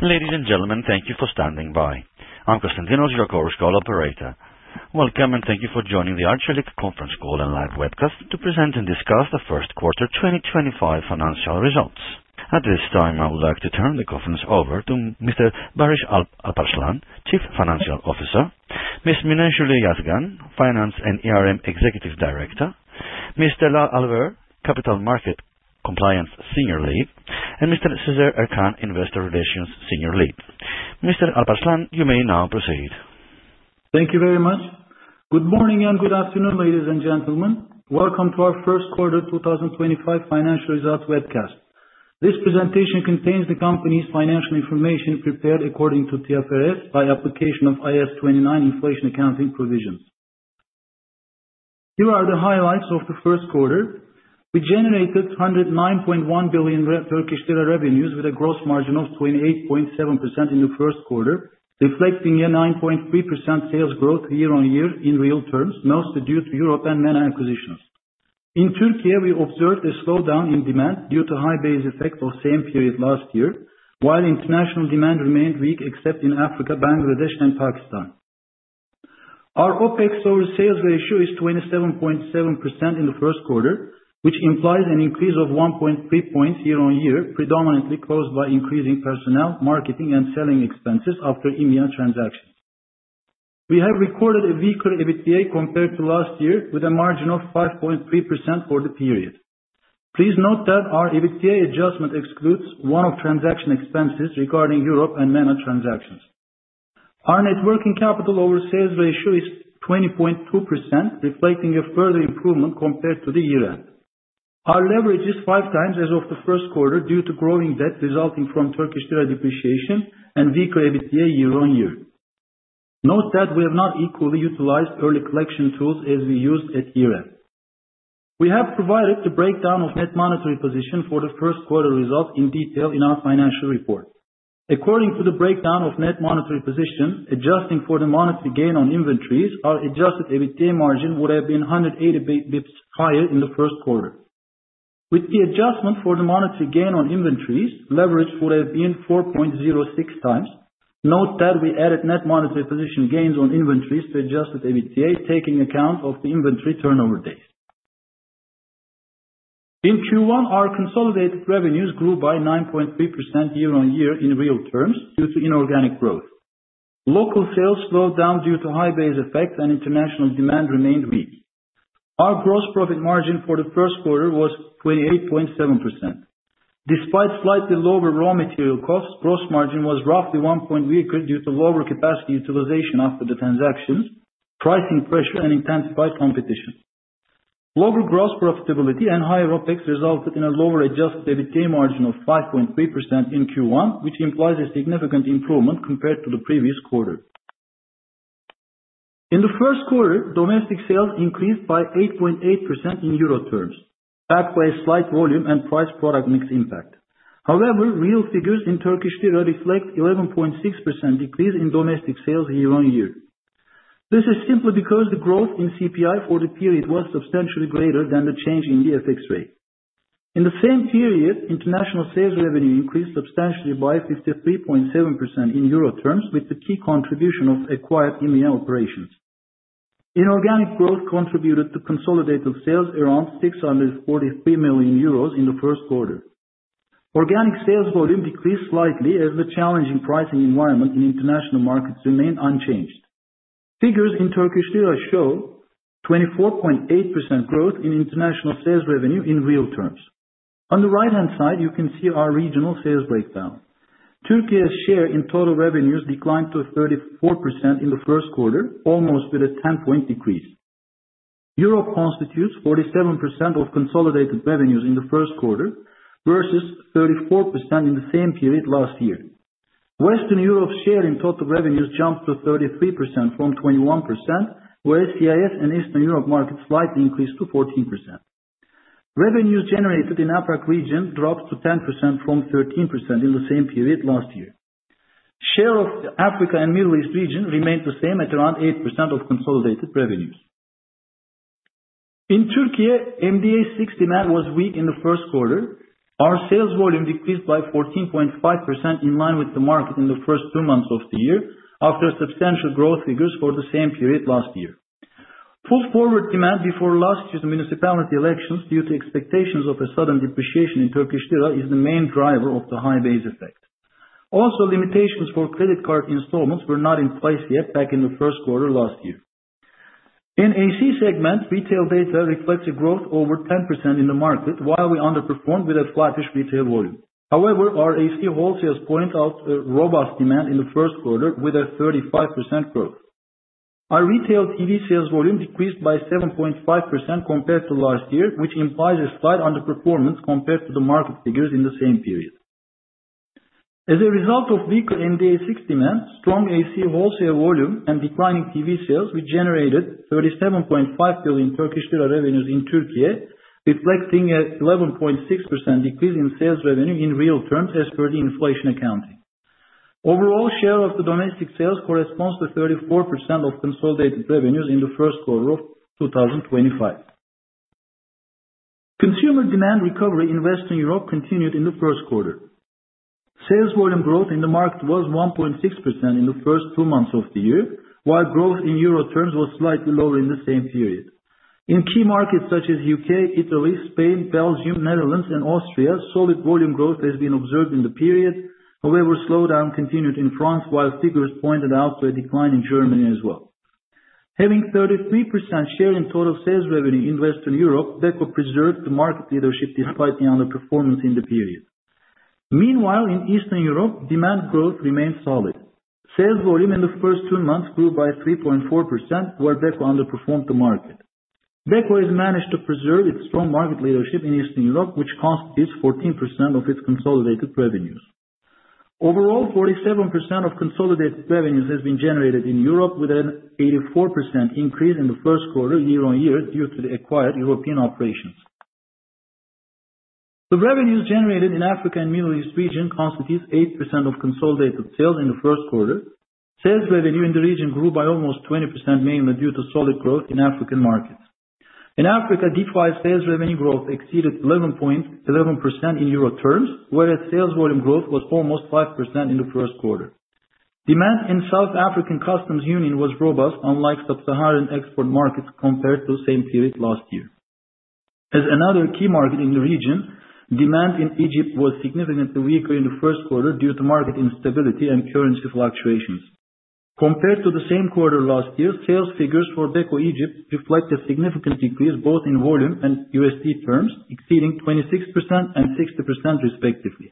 Ladies and gentlemen, thank you for standing by. I'm Konstantinos, your chorus call operator. Welcome, and thank you for joining the Arçelik Conference Call and Live Webcast to present and discuss the first quarter 2025 financial results. At this time, I would like to turn the conference over to Mr. Barış Alparslan, Chief Financial Officer, Ms. Mine Sule Yazgan, Finance and Executive Director, Mr. Delal Alver, Capital Market Compliance Senior Lead, and Mr. Sezer Ercan, Investor Relations Senior Lead. Mr. Alparslan, you may now proceed. Thank you very much. Good morning and good afternoon, ladies and gentlemen. Welcome to our first quarter 2025 financial results webcast. This presentation contains the company's financial information prepared according to TFRS by application of IAS 29 Inflation Accounting Provisions. Here are the highlights of the first quarter. We generated 109.1 billion Turkish lira revenues with a gross margin of 28.7% in the first quarter, reflecting a 9.3% sales growth year-on-year in real terms, mostly due to Europe and MENA acquisitions. In Türkiye, we observed a slowdown in demand due to the high base effect of the same period last year, while international demand remained weak except in Africa, Bangladesh, and Pakistan. Our OPEX over sales ratio is 27.7% in the first quarter, which implies an increase of 1.3 percentage points year-on-year, predominantly caused by increasing personnel, marketing, and selling expenses after EMEA transactions. We have recorded a weaker EBITDA compared to last year, with a margin of 5.3% for the period. Please note that our EBITDA adjustment excludes one of the transaction expenses regarding Europe and MENA transactions. Our net working capital over sales ratio is 20.2%, reflecting a further improvement compared to the year-end. Our leverage is five times as of the first quarter due to growing debt resulting from TL depreciation and weaker EBITDA year-on-year. Note that we have not equally utilized early collection tools as we used at year-end. We have provided the breakdown of net monetary position for the first quarter results in detail in our financial report. According to the breakdown of net monetary position, adjusting for the monetary gain on inventories, our adjusted EBITDA margin would have been 180 basis points higher in the first quarter. With the adjustment for the monetary gain on inventories, leverage would have been 4.06 times. Note that we added net monetary position gains on inventories to adjusted EBITDA, taking account of the inventory turnover days. In Q1, our consolidated revenues grew by 9.3% year-on-year in real terms due to inorganic growth. Local sales slowed down due to high base effect, and international demand remained weak. Our gross profit margin for the first quarter was 28.7%. Despite slightly lower raw material costs, gross margin was roughly one point weaker due to lower capacity utilization after the transactions, pricing pressure, and intensified competition. Lower gross profitability and higher OPEX resulted in a lower adjusted EBITDA margin of 5.3% in Q1, which implies a significant improvement compared to the previous quarter. In the first quarter, domestic sales increased by 8.8% in euro terms, backed by a slight volume and price-product mix impact. However, real figures in TL reflect an 11.6% decrease in domestic sales year-on-year. This is simply because the growth in CPI for the period was substantially greater than the change in the FX rate. In the same period, international sales revenue increased substantially by 53.7% in euro terms, with the key contribution of acquired EMEA operations. Inorganic growth contributed to consolidated sales around 643 million euros in the first quarter. Organic sales volume decreased slightly as the challenging pricing environment in international markets remained unchanged. Figures in TL show 24.8% growth in international sales revenue in real terms. On the right-hand side, you can see our regional sales breakdown. Türkiye's share in total revenues declined to 34% in the first quarter, almost with a 10-point decrease. Europe constitutes 47% of consolidated revenues in the first quarter versus 34% in the same period last year. Western Europe's share in total revenues jumped to 33% from 21%, whereas CIS and Eastern Europe markets slightly increased to 14%. Revenues generated in the APAC region dropped to 10% from 13% in the same period last year. Share of the Africa and Middle East region remained the same at around 8% of consolidated revenues. In Türkiye, MDA6 demand was weak in the first quarter. Our sales volume decreased by 14.5% in line with the market in the first two months of the year, after substantial growth figures for the same period last year. Pull forward demand before last year's municipality elections due to expectations of a sudden depreciation in TL is the main driver of the high base effect. Also, limitations for credit card installments were not in place yet back in the first quarter last year. In the AC segment, retail data reflects a growth of over 10% in the market, while we underperformed with a flattish retail volume. However, our AC wholesales point out robust demand in the first quarter, with a 35% growth. Our retail TV sales volume decreased by 7.5% compared to last year, which implies a slight underperformance compared to the market figures in the same period. As a result of weaker MDA6 demand, strong AC wholesale volume, and declining TV sales, we generated 37.5 billion Turkish lira revenues in Türkiye, reflecting an 11.6% decrease in sales revenue in real terms as per the inflation accounting. Overall, share of the domestic sales corresponds to 34% of consolidated revenues in the first quarter of 2025. Consumer demand recovery in Western Europe continued in the first quarter. Sales volume growth in the market was 1.6% in the first two months of the year, while growth in euro terms was slightly lower in the same period. In key markets such as U.K., Italy, Spain, Belgium, Netherlands, and Austria, solid volume growth has been observed in the period. However, slowdown continued in France, while figures pointed out a decline in Germany as well. Having 33% share in total sales revenue in Western Europe, Beko preserved the market leadership despite the underperformance in the period. Meanwhile, in Eastern Europe, demand growth remained solid. Sales volume in the first two months grew by 3.4%, where Beko underperformed the market. Beko has managed to preserve its strong market leadership in Eastern Europe, which constitutes 14% of its consolidated revenues. Overall, 47% of consolidated revenues has been generated in Europe, with an 84% increase in the first quarter year-on-year due to the acquired European operations. The revenues generated in Africa and Middle East region constitute 8% of consolidated sales in the first quarter. Sales revenue in the region grew by almost 20%, mainly due to solid growth in African markets. In Africa, default sales revenue growth exceeded 11.11% in EUR terms, whereas sales volume growth was almost 5% in the first quarter. Demand in South African Customs Union was robust, unlike sub-Saharan export markets compared to the same period last year. As another key market in the region, demand in Egypt was significantly weaker in the first quarter due to market instability and currency fluctuations. Compared to the same quarter last year, sales figures for Beko Egypt reflect a significant decrease both in volume and USD terms, exceeding 26% and 60% respectively.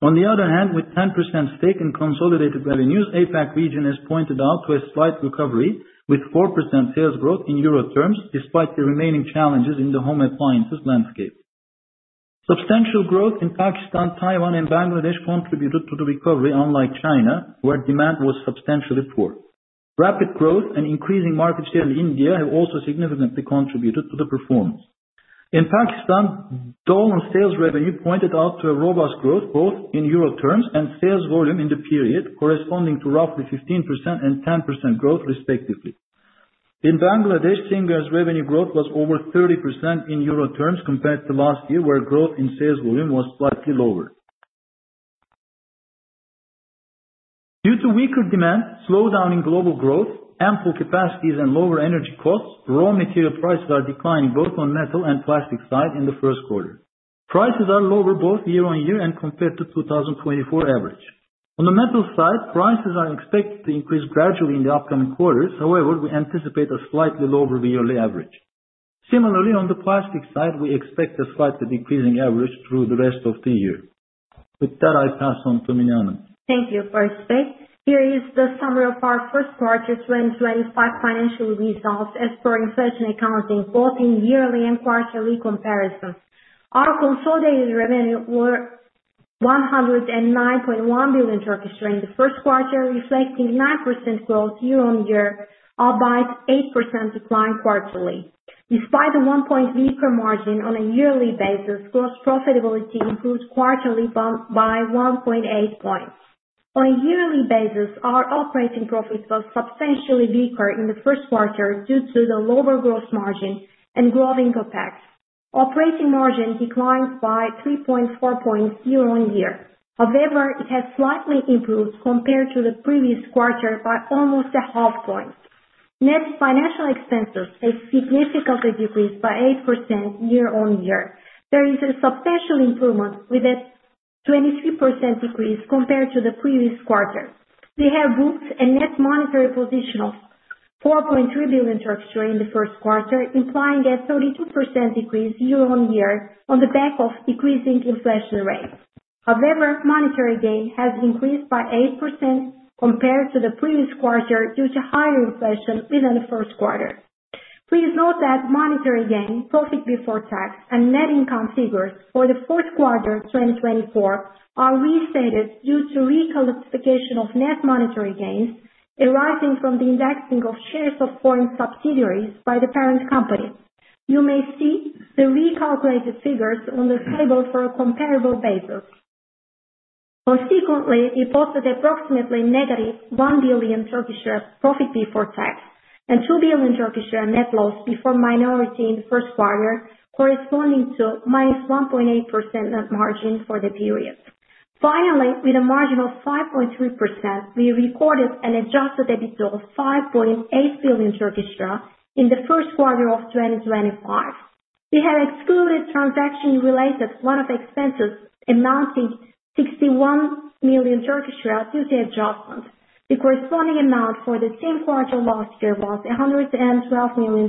On the other hand, with 10% stake in consolidated revenues, APAC region has pointed out a slight recovery with 4% sales growth in EUR terms, despite the remaining challenges in the home appliances landscape. Substantial growth in Pakistan, Taiwan, and Bangladesh contributed to the recovery, unlike China, where demand was substantially poor. Rapid growth and increasing market share in India have also significantly contributed to the performance. In Pakistan, dollar sales revenue pointed out a robust growth both in EUR terms and sales volume in the period, corresponding to roughly 15% and 10% growth respectively. In Bangladesh, single revenue growth was over 30% in EUR terms compared to last year, where growth in sales volume was slightly lower. Due to weaker demand, slowdown in global growth, ample capacities, and lower energy costs, raw material prices are declining both on the metal and plastic side in the first quarter. Prices are lower both year-on-year and compared to the 2024 average. On the metal side, prices are expected to increase gradually in the upcoming quarters. However, we anticipate a slightly lower yearly average. Similarly, on the plastic side, we expect a slightly decreasing average through the rest of the year. With that, I pass on to Mine Yazgan. Thank you, Barış. Here is the summary of our first quarter 2025 financial results as per inflation accounting, both in yearly and quarterly comparison. Our consolidated revenue was TRY 109.1 billion in the first quarter, reflecting 9% growth year-on-year, albeit 8% decline quarterly. Despite a one-point weaker margin on a yearly basis, gross profitability improved quarterly by 1.8 points. On a yearly basis, our operating profit was substantially weaker in the first quarter due to the lower gross margin and growth income tax. Operating margin declined by 3.4 points year-on-year; however, it has slightly improved compared to the previous quarter by almost a half point. Net financial expenses have significantly decreased by 8% year-on-year. There is a substantial improvement, with a 23% decrease compared to the previous quarter. We have booked a net monetary position of 4.3 billion in the first quarter, implying a 32% decrease year-on-year on the back of decreasing inflation rates. However, monetary gain has increased by 8% compared to the previous quarter due to higher inflation within the first quarter. Please note that monetary gain, profit before tax, and net income figures for the fourth quarter 2024 are re-stated due to recalculation of net monetary gains arising from the indexing of shares of foreign subsidiaries by the parent company. You may see the recalculated figures on the table for a comparable basis. Consequently, we posted approximately negative 1 billion profit before tax and 2 billion net loss before minority in the first quarter, corresponding to minus 1.8% net margin for the period. Finally, with a margin of 5.3%, we recorded an adjusted EBITDA of 5.8 billion Turkish lira in the first quarter of 2025. We have excluded transaction-related one-off expenses amounting to 61 million due to adjustment. The corresponding amount for the same quarter last year was 112 million.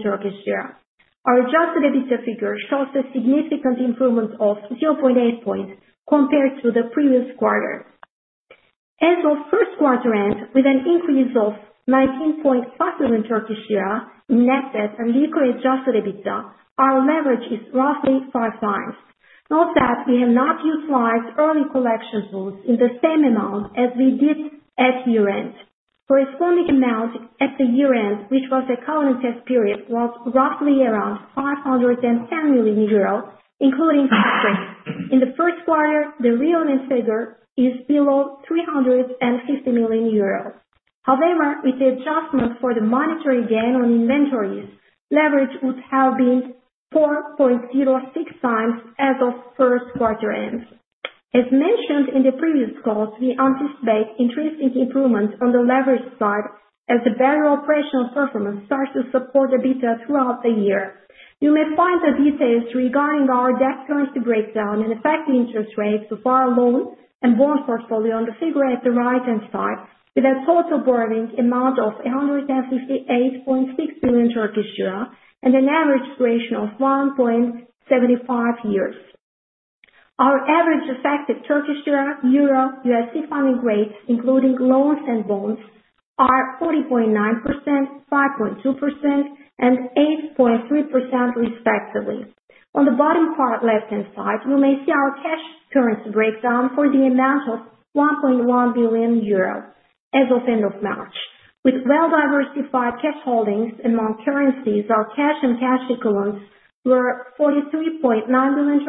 Our adjusted EBITDA figure shows a significant improvement of 0.8 percentage points compared to the previous quarter. As our first quarter ends with an increase of 19.5 billion Turkish lira in net debt and weaker adjusted EBITDA, our leverage is roughly five times. Note that we have not utilized early collection tools in the same amount as we did at year-end. Corresponding amount at the year-end, which was a current test period, was roughly around 510 million euros, including tax rates. In the first quarter, the real end figure is below 350 million euros. However, with the adjustment for the monetary gain on inventories, leverage would have been 4.06 times as of first quarter end. As mentioned in the previous calls, we anticipate interesting improvements on the leverage side as the better operational performance starts to support EBITDA throughout the year. You may find the details regarding our debt currency breakdown and effective interest rates of our loan and bond portfolio on the figure at the right-hand side, with a total borrowing amount of TRY 158.6 billion and an average duration of 1.75 years. Our average effective TL, euro, USD funding rates, including loans and bonds, are 40.9%, 5.2%, and 8.3% respectively. On the bottom part left-hand side, you may see our cash currency breakdown for the amount of 1.1 billion euro as of end of March. With well-diversified cash holdings among currencies, our cash and cash equivalents were 43.9 billion,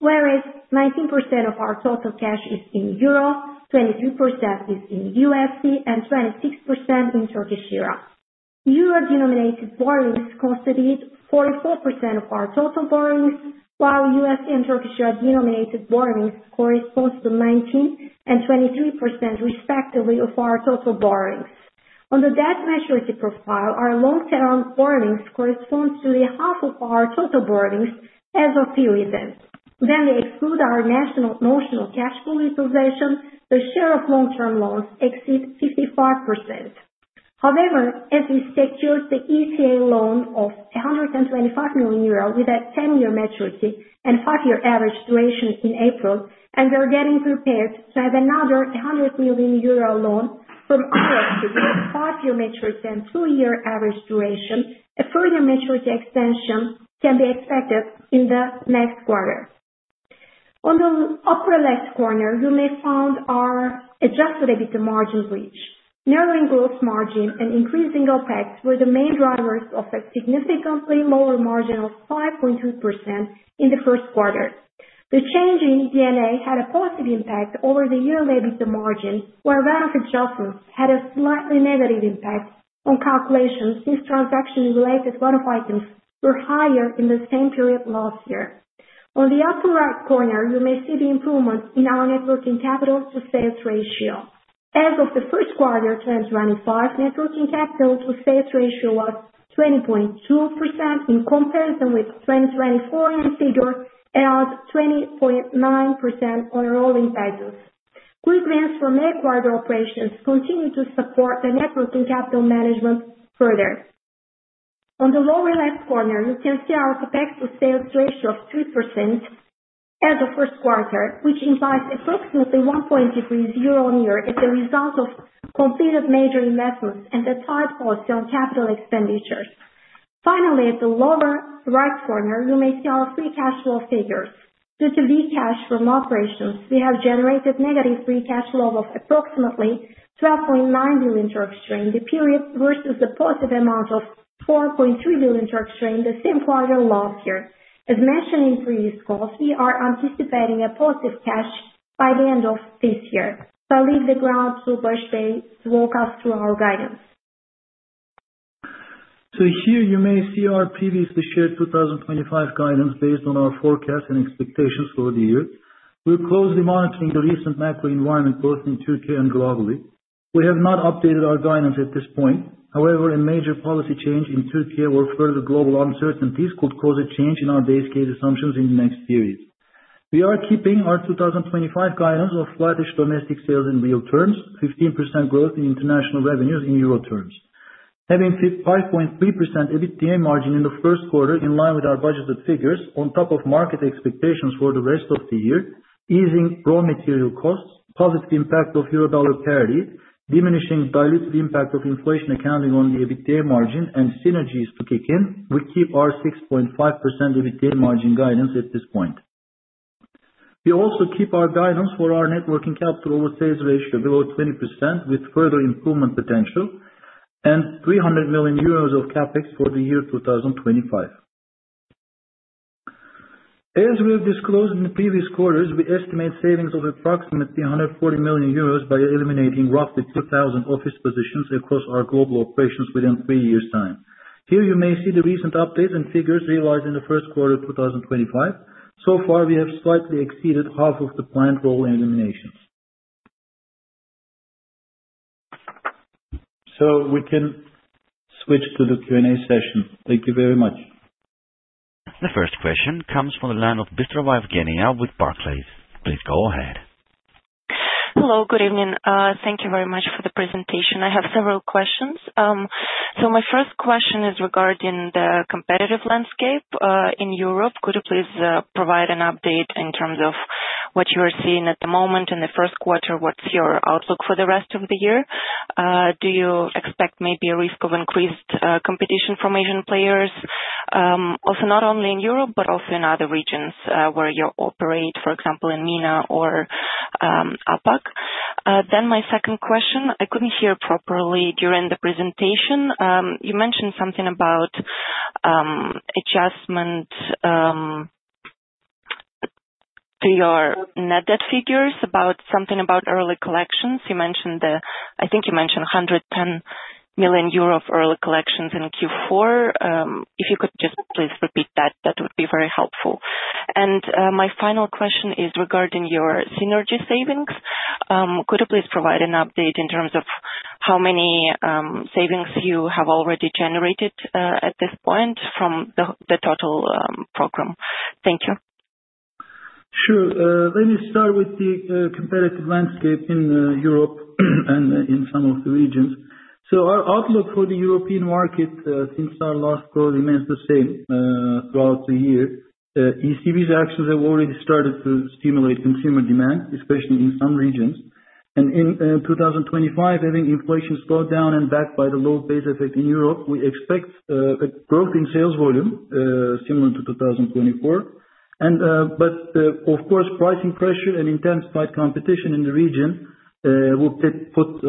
whereas 19% of our total cash is in EUR, 23% is in USD, and 26% in TL. EUR denominated borrowings constituted 44% of our total borrowings, while USD and TL denominated borrowings correspond to 19% and 23% respectively of our total borrowings. On the debt maturity profile, our long-term borrowings correspond to half of our total borrowings as of year-end. When we exclude our notional cash pool utilization, the share of long-term loans exceeds 55%. However, as we secured the ETA loan of 125 million euro with a 10-year maturity and 5-year average duration in April, and we are getting prepared to have another 100 million euro loan from our active, with a five-year maturity and two-year average duration, a further maturity extension can be expected in the next quarter. On the upper left corner, you may find our adjusted EBITDA margin bridge. Narrowing gross margin and increasing OPEX were the main drivers of a significantly lower margin of 5.2% in the first quarter. The change in D&A had a positive impact over the yearly EBITDA margin, where round adjustments had a slightly negative impact on calculations since transaction-related one-off items were higher in the same period last year. On the upper right corner, you may see the improvement in our net working capital to sales ratio. As of the first quarter 2025, net working capital to sales ratio was 20.2% in comparison with the 2024 end figure at 20.9% on rolling titles. Quick wins from eighth quarter operations continue to support the net working capital management further. On the lower left corner, you can see our OPEX to sales ratio of 3% as of first quarter, which implies approximately 1.3 billion a year as a result of completed major investments and a tight policy on capital expenditures. Finally, at the lower right corner, you may see our free cash flow figures. Due to cash from operations, we have generated negative free cash flow of approximately 12.9 billion in the period versus the positive amount of 4.3 billion in the same quarter last year. As mentioned in previous calls, we are anticipating a positive cash by the end of this year. I'll leave the ground to Barış Bey to walk us through our guidance. Here you may see our previously shared 2025 guidance based on our forecasts and expectations for the year. We're closely monitoring the recent macro environment both in Türkiye and globally. We have not updated our guidance at this point; however, a major policy change in Türkiye or further global uncertainties could cause a change in our base case assumptions in the next period. We are keeping our 2025 guidance of flat-ish domestic sales in real terms, 15% growth in international revenues in euro terms. Having 5.3% EBITDA margin in the first quarter in line with our budgeted figures, on top of market expectations for the rest of the year, easing raw material costs, positive impact of euro/dollar parity, diminishing diluted impact of inflation accounting on the EBITDA margin, and synergies to kick in, we keep our 6.5% EBITDA margin guidance at this point. We also keep our guidance for our net working capital over sales ratio below 20% with further improvement potential and 300 million euros of CAPEX for the year 2025. As we have disclosed in the previous quarters, we estimate savings of approximately 140 million euros by eliminating roughly 2,000 office positions across our global operations within three years' time. Here you may see the recent updates and figures realized in the first quarter of 2025. So far, we have slightly exceeded half of the planned rolling eliminations. We can switch to the Q&A session. Thank you very much. The first question comes from Bystrova Evgeniya of Barclays. Please go ahead. Hello, good evening. Thank you very much for the presentation. I have several questions. My first question is regarding the competitive landscape in Europe. Could you please provide an update in terms of what you are seeing at the moment in the first quarter? What is your outlook for the rest of the year? Do you expect maybe a risk of increased competition from Asian players? Also, not only in Europe but also in other regions where you operate, for example, in MENA or APAC? My second question, I could not hear properly during the presentation. You mentioned something about adjustment to your net debt figures, something about early collections. I think you mentioned 110 million euro of early collections in Q4. If you could just please repeat that, that would be very helpful. My final question is regarding your synergy savings. Could you please provide an update in terms of how many savings you have already generated at this point from the total program? Thank you. Sure. Let me start with the competitive landscape in Europe and in some of the regions. Our outlook for the European market since our last call remains the same throughout the year. ECB's actions have already started to stimulate consumer demand, especially in some regions. In 2025, having inflation slowed down and backed by the low base effect in Europe, we expect a growth in sales volume similar to 2024. Of course, pricing pressure and intense tight competition in the region will put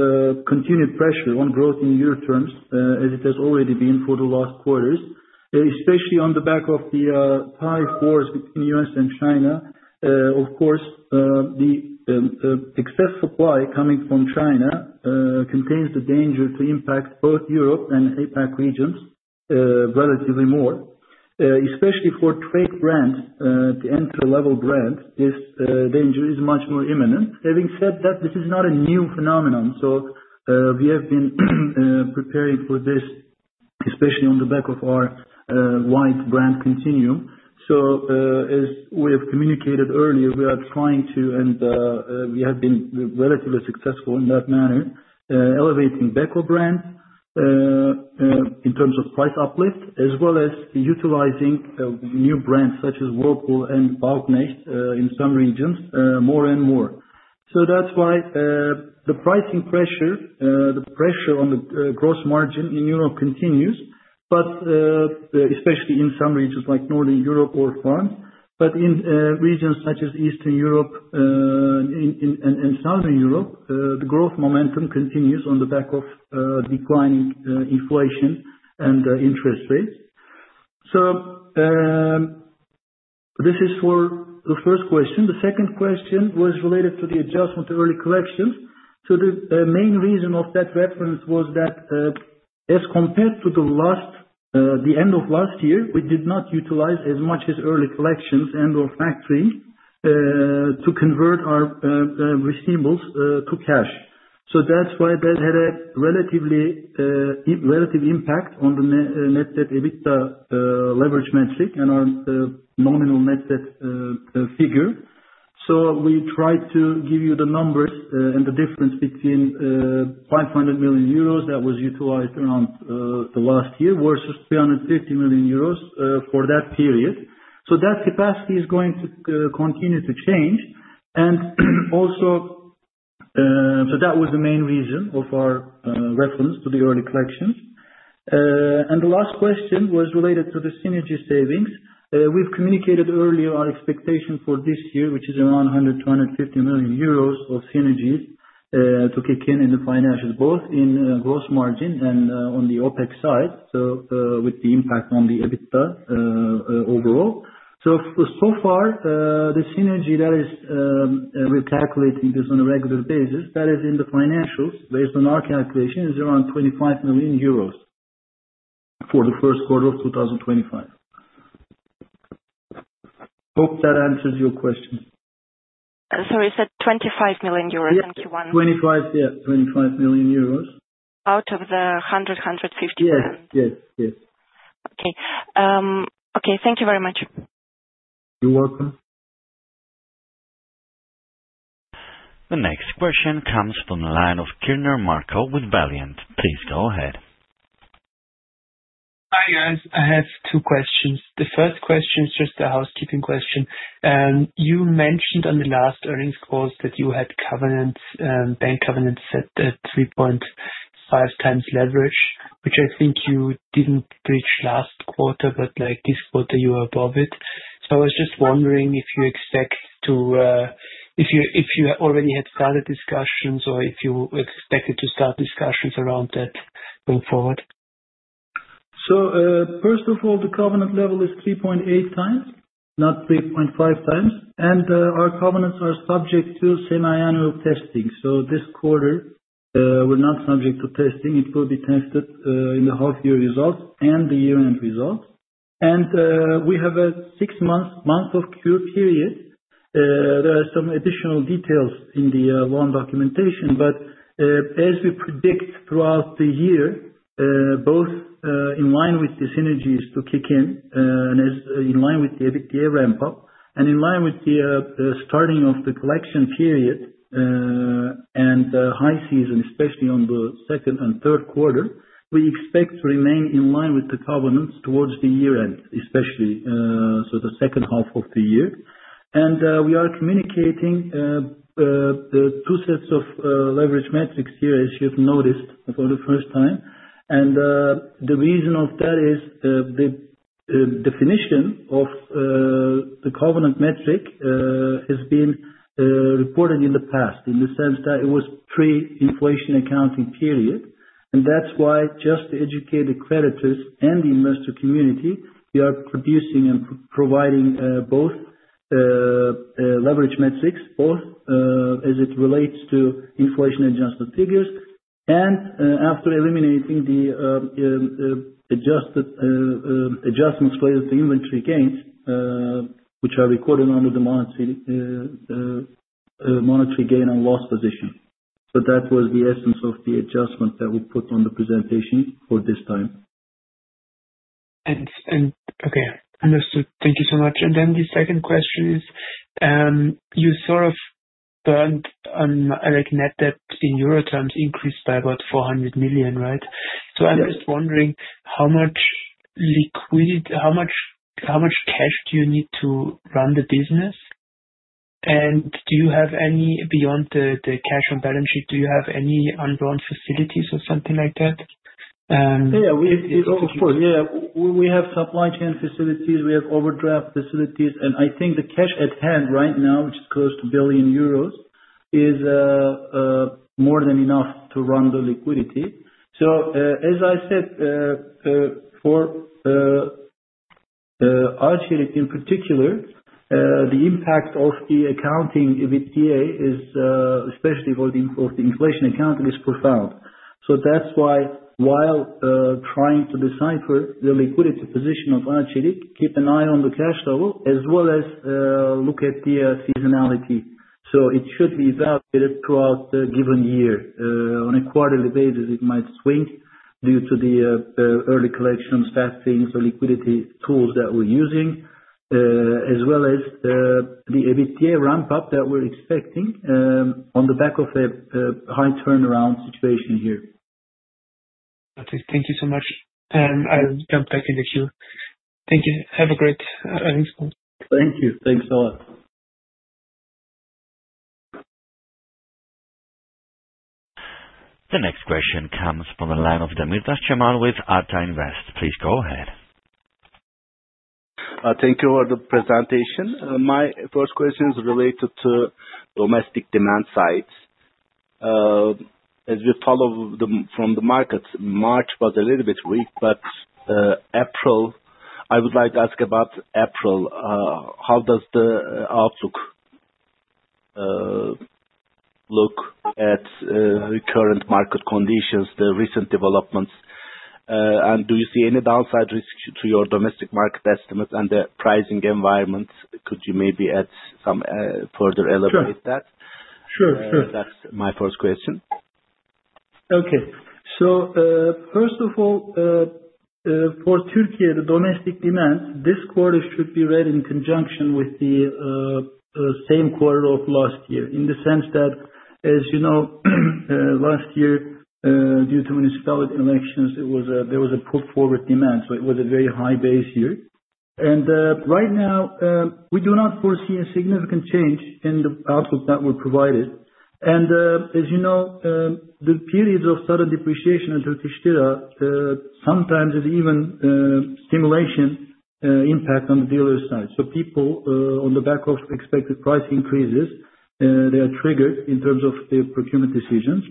continued pressure on growth in year terms as it has already been for the last quarters, especially on the back of the trade wars between the U.S. and China. Of course, the excess supply coming from China contains the danger to impact both Europe and APAC regions relatively more, especially for trade brands, the entry-level brands. This danger is much more imminent. Having said that, this is not a new phenomenon. We have been preparing for this, especially on the back of our wide brand continuum. As we have communicated earlier, we are trying to, and we have been relatively successful in that manner, elevating Beko brands in terms of price uplift, as well as utilizing new brands such as Whirlpool and Bauknecht in some regions more and more. That is why the pricing pressure, the pressure on the gross margin in Europe continues, especially in some regions like northern Europe or France. In regions such as Eastern Europe and southern Europe, the growth momentum continues on the back of declining inflation and interest rates. This is for the first question. The second question was related to the adjustment to early collections. The main reason of that reference was that as compared to the end of last year, we did not utilize as much as early collections and/or factoring to convert our receivables to cash. That had a relatively impact on the net debt EBITDA leverage metric and our nominal net debt figure. We tried to give you the numbers and the difference between 500 million euros that was utilized around the last year versus 350 million euros for that period. That capacity is going to continue to change. That was the main reason of our reference to the early collections. The last question was related to the synergy savings. We've communicated earlier our expectation for this year, which is around 100 million-150 million euros of synergies to kick in in the financials, both in gross margin and on the OPEX side, with the impact on the EBITDA overall. So far, the synergy that is, we're calculating this on a regular basis, that is in the financials, based on our calculation, is around 25 million euros for the first quarter of 2025. Hope that answers your question. Sorry, you said 25 million euros in Q1? million, yeah, 25 million euros. Out of the 100, 150,000? Yes, yes. Okay. Okay, thank you very much. You're welcome. The next question comes from the line of Kirner Marko with Valiant. Please go ahead. Hi guys, I have two questions. The first question is just a housekeeping question. You mentioned on the last earnings calls that you had bank covenants set at 3.5 times leverage, which I think you did not breach last quarter, but this quarter you are above it. I was just wondering if you expect to, if you already had started discussions or if you expected to start discussions around that going forward. First of all, the covenant level is 3.8 times, not 3.5 times. Our covenants are subject to semiannual testing. This quarter, we're not subject to testing. It will be tested in the half-year results and the year-end results. We have a six-month month-of-cure period. There are some additional details in the loan documentation, but as we predict throughout the year, both in line with the synergies to kick in and in line with the EBITDA ramp-up and in line with the starting of the collection period and high season, especially on the second and third quarter, we expect to remain in line with the covenants towards the year-end, especially the second half of the year. We are communicating the two sets of leverage metrics here, as you've noticed for the first time. The reason of that is the definition of the covenant metric has been reported in the past in the sense that it was pre-inflation accounting period. That is why, just to educate the creditors and the investor community, we are producing and providing both leverage metrics, both as it relates to inflation adjustment figures and after eliminating the adjustments related to inventory gains, which are recorded under the monetary gain and loss position. That was the essence of the adjustment that we put on the presentation for this time. Okay, understood. Thank you so much. The second question is you sort of burned on net debt in euro terms increased by about 400 million, right? I am just wondering how much cash do you need to run the business? Do you have any, beyond the cash on balance sheet, do you have any unburned facilities or something like that? Yeah, of course. Yeah, we have supply chain facilities, we have overdraft facilities, and I think the cash at hand right now, which is close to 1 billion euros, is more than enough to run the liquidity. As I said, for Arçelik in particular, the impact of the accounting EBITDA, especially for the inflation accounting, is profound. That's why while trying to decipher the liquidity position of Arçelik, keep an eye on the cash level as well as look at the seasonality. It should be evaluated throughout the given year. On a quarterly basis, it might swing due to the early collections, factorings, the liquidity tools that we're using, as well as the EBITDA ramp-up that we're expecting on the back of a high turnaround situation here. Okay, thank you so much. I'll jump back in the queue. Thank you. Have a great earnings call. Thank you. Thanks a lot. The next question comes from the line of Cemal Demirtaş with Ata Invest. Please go ahead. Thank you for the presentation. My first question is related to domestic demand sides. As we follow from the markets, March was a little bit weak, but April, I would like to ask about April. How does the outlook look at the current market conditions, the recent developments? Do you see any downside risk to your domestic market estimates and the pricing environment? Could you maybe add some further elevate that? Sure, sure. That's my first question. Okay. First of all, for Türkiye, the domestic demand this quarter should be read in conjunction with the same quarter of last year in the sense that, as you know, last year due to municipality elections, there was a put-forward demand. It was a very high base year. Right now, we do not foresee a significant change in the outlook that we're provided. As you know, the periods of sudden depreciation in TL sometimes have even a stimulation impact on the dealer side. People, on the back of expected price increases, are triggered in terms of their procurement decisions.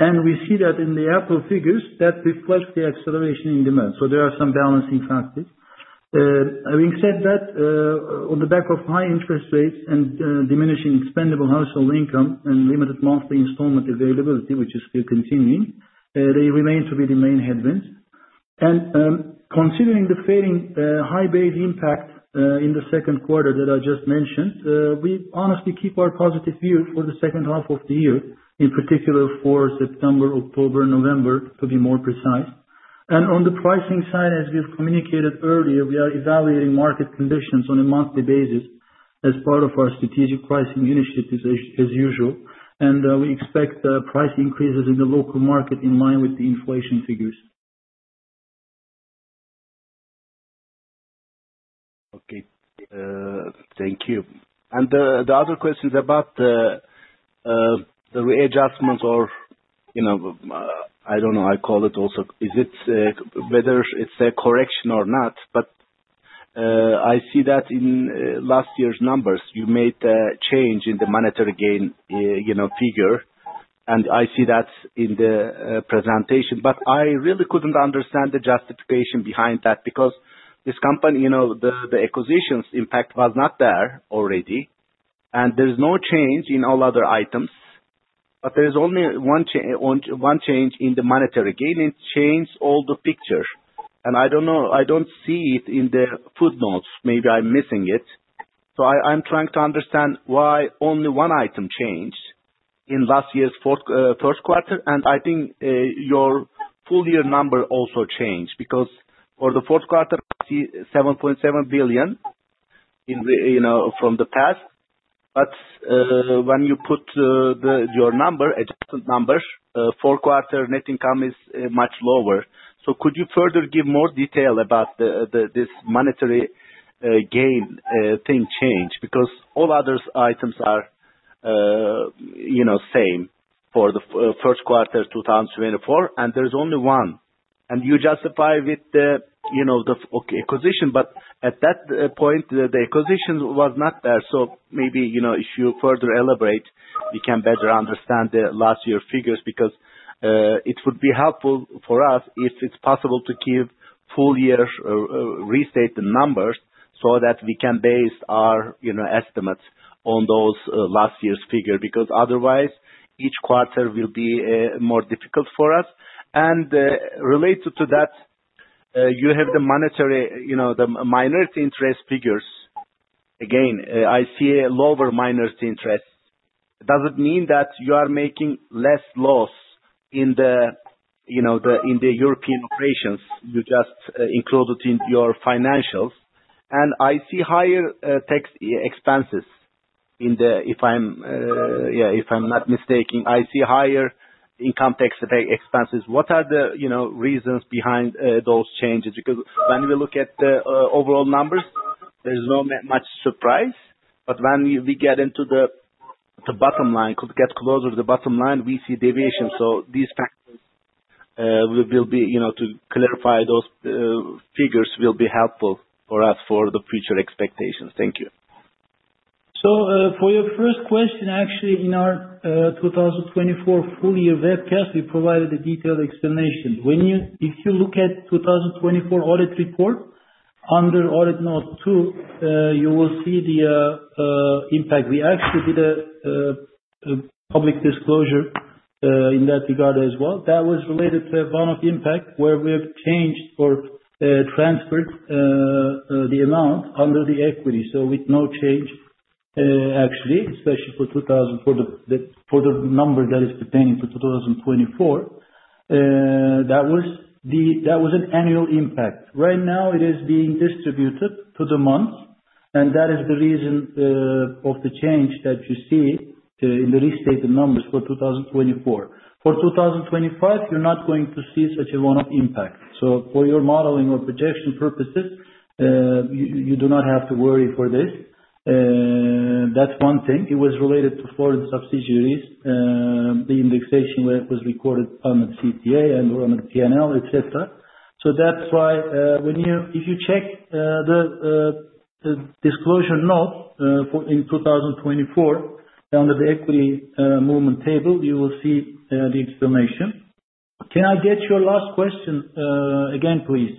We see that in the April figures that reflects the acceleration in demand. There are some balancing factors. Having said that, on the back of high interest rates and diminishing expendable household income and limited monthly installment availability, which is still continuing, they remain to be the main headwinds. Considering the failing high base impact in the second quarter that I just mentioned, we honestly keep our positive view for the second half of the year, in particular for September, October, November, to be more precise. On the pricing side, as we've communicated earlier, we are evaluating market conditions on a monthly basis as part of our strategic pricing initiatives as usual. We expect price increases in the local market in line with the inflation figures. Okay. Thank you. The other question is about the readjustments or, I do not know, I call it also, whether it is a correction or not, but I see that in last year's numbers, you made a change in the monetary gain figure. I see that in the presentation. I really could not understand the justification behind that because this company, the acquisitions impact was not there already. There is no change in all other items. There is only one change in the monetary gain. It changed all the picture. I do not know, I do not see it in the footnotes. Maybe I am missing it. I am trying to understand why only one item changed in last year's first quarter. I think your full year number also changed because for the fourth quarter, I see 7.7 billion from the past. When you put your number, adjustment number, fourth quarter net income is much lower. Could you further give more detail about this monetary gain thing change? Because all other items are same for the first quarter 2024, and there's only one. You justify with the acquisition, but at that point, the acquisition was not there. Maybe if you further elaborate, we can better understand the last year's figures because it would be helpful for us if it's possible to give full year restate the numbers so that we can base our estimates on those last year's figures. Otherwise, each quarter will be more difficult for us. Related to that, you have the minority interest figures. Again, I see a lower minority interest. Does it mean that you are making less loss in the European operations? You just included in your financials. I see higher tax expenses in the, if I'm not mistaken, I see higher income tax expenses. What are the reasons behind those changes? Because when we look at the overall numbers, there's not much surprise. When we get into the bottom line, could get closer to the bottom line, we see deviation. These factors will be to clarify those figures will be helpful for us for the future expectations. Thank you. For your first question, actually, in our 2024 full year webcast, we provided a detailed explanation. If you look at the 2024 audit report under audit note two, you will see the impact. We actually did a public disclosure in that regard as well. That was related to a bond of impact where we have changed or transferred the amount under the equity. With no change, actually, especially for the number that is pertaining to 2024. That was an annual impact. Right now, it is being distributed to the month. That is the reason for the change that you see in the restated numbers for 2024. For 2025, you're not going to see such a bond of impact. For your modeling or projection purposes, you do not have to worry for this. That's one thing. It was related to foreign subsidiaries. The indexation was recorded under the CTA and/or under the P&L, et cetera. That is why if you check the disclosure note in 2024 under the equity movement table, you will see the explanation. Can I get your last question again, please?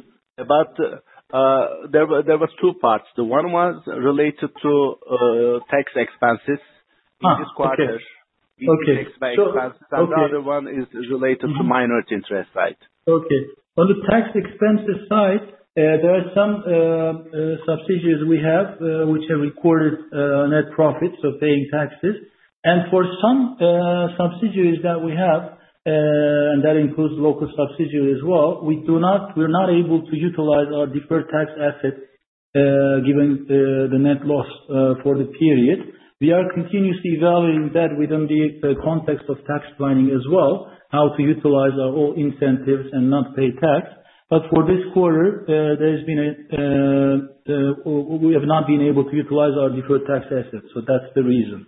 There were two parts. The one was related to tax expenses in this quarter. Okay. Okay. We did tax expenses. The other one is related to minority interest, right? Okay. On the tax expenses side, there are some subsidiaries we have which have recorded net profits, so paying taxes. For some subsidiaries that we have, and that includes local subsidiaries as well, we're not able to utilize our deferred tax asset given the net loss for the period. We are continuously evaluating that within the context of tax planning as well, how to utilize our incentives and not pay tax. For this quarter, we have not been able to utilize our deferred tax assets. That's the reason.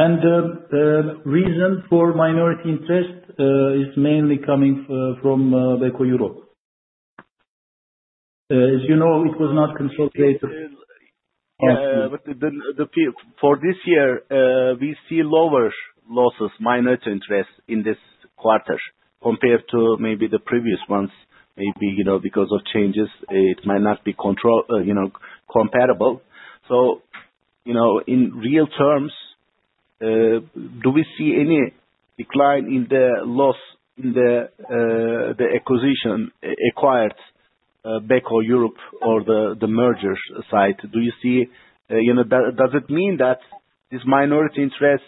The reason for minority interest is mainly coming from Beko Europe. As you know, it was not controlled by. Yes. For this year, we see lower losses, minority interest in this quarter compared to maybe the previous ones. Maybe because of changes, it might not be comparable. In real terms, do we see any decline in the loss in the acquisition acquired Beko Europe or the merger side? Do you see, does it mean that this minority interest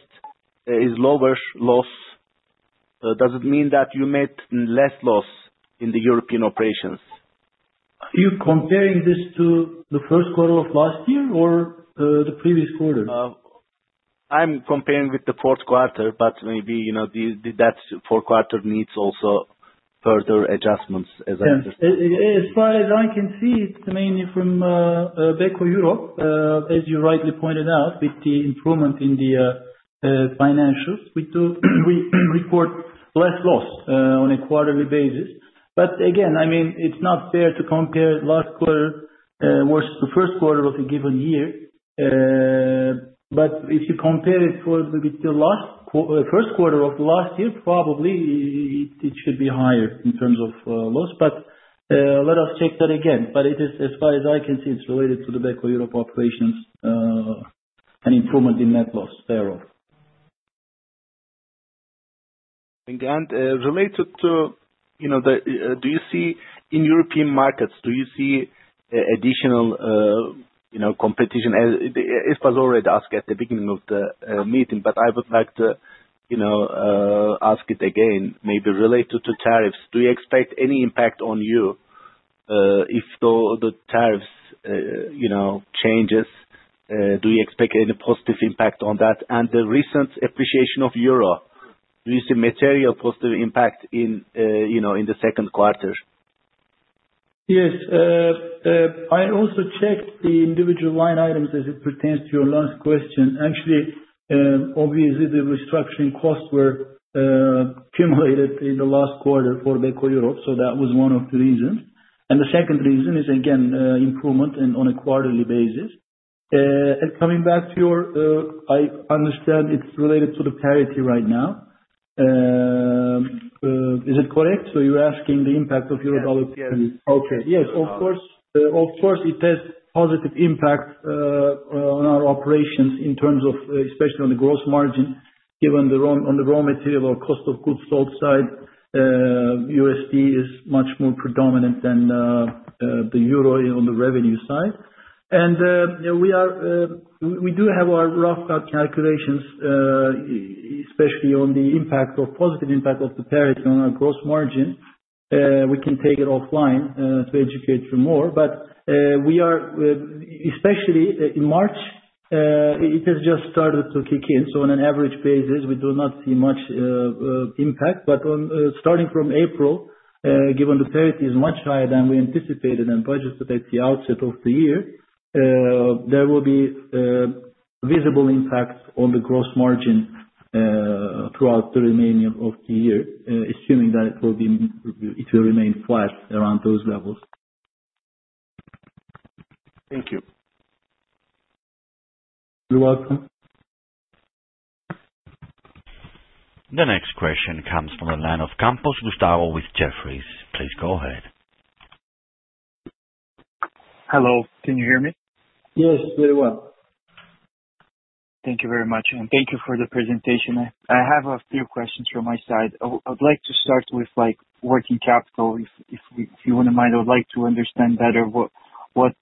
is lower loss? Does it mean that you made less loss in the European operations? Are you comparing this to the first quarter of last year or the previous quarter? I'm comparing with the fourth quarter, but maybe that fourth quarter needs also further adjustments, as I understand. Yes. As far as I can see, it's mainly from Beko Europe. As you rightly pointed out, with the improvement in the financials, we report less loss on a quarterly basis. I mean, it's not fair to compare last quarter versus the first quarter of a given year. If you compare it with the first quarter of last year, probably it should be higher in terms of loss. Let us check that again. As far as I can see, it's related to the Beko Europe operations and improvement in net loss thereof. Related to the, do you see in European markets, do you see additional competition? It was already asked at the beginning of the meeting, but I would like to ask it again, maybe related to tariffs. Do you expect any impact on you if the tariffs changes? Do you expect any positive impact on that? The recent appreciation of euro, do you see material positive impact in the second quarter? Yes. I also checked the individual line items as it pertains to your last question. Actually, obviously, the restructuring costs were accumulated in the last quarter for Beko Europe. That was one of the reasons. The second reason is, again, improvement on a quarterly basis. Coming back to your I understand it's related to the parity right now. Is it correct? You're asking the impact of euro dollar parity? Yes. Okay. Yes. Of course. Of course, it has positive impact on our operations in terms of especially on the gross margin, given the raw material or cost of goods sold side. USD is much more predominant than the euro on the revenue side. We do have our rough calculations, especially on the impact of positive impact of the parity on our gross margin. We can take it offline to educate you more. Especially in March, it has just started to kick in. On an average basis, we do not see much impact. Starting from April, given the parity is much higher than we anticipated and budgeted at the outset of the year, there will be visible impact on the gross margin throughout the remainder of the year, assuming that it will remain flat around those levels. Thank you. You're welcome. The next question comes from the line of Gustavo Campos with Jefferies. Please go ahead. Hello. Can you hear me? Yes. Very well. Thank you very much. Thank you for the presentation. I have a few questions from my side. I'd like to start with working capital. If you wouldn't mind, I would like to understand better what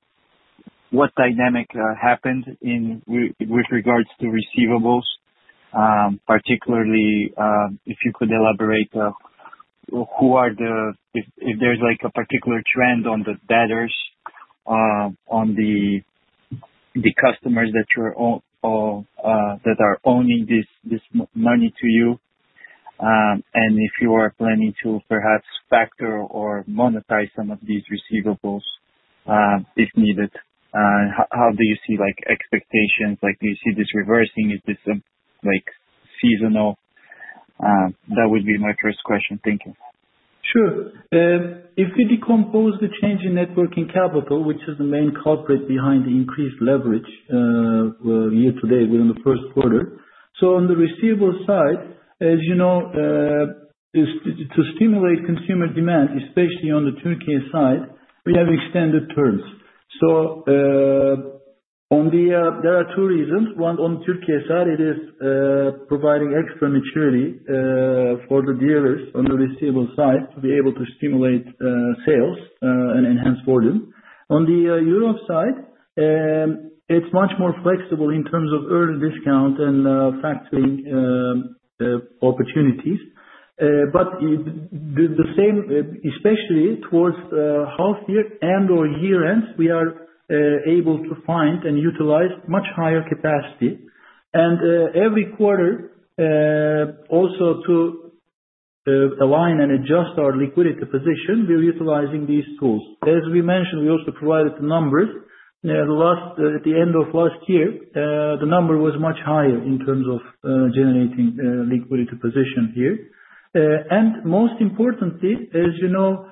dynamic happened with regards to receivables, particularly if you could elaborate who are the, if there's a particular trend on the debtors, on the customers that are owing this money to you. If you are planning to perhaps factor or monetize some of these receivables if needed, how do you see expectations? Do you see this reversing? Is this seasonal? That would be my first question. Thank you. Sure. If we decompose the change in net working capital, which is the main culprit behind the increased leverage year to date within the first quarter. On the receivable side, as you know, to stimulate consumer demand, especially on the Türkiye side, we have extended terms. There are two reasons. One, on the Türkiye side, it is providing extra maturity for the dealers on the receivable side to be able to stimulate sales and enhance volume. On the Europe side, it is much more flexible in terms of early discount and factoring opportunities. The same, especially towards half year and/or year ends, we are able to find and utilize much higher capacity. Every quarter, also to align and adjust our liquidity position, we are utilizing these tools. As we mentioned, we also provided the numbers. At the end of last year, the number was much higher in terms of generating liquidity position here. Most importantly, as you know,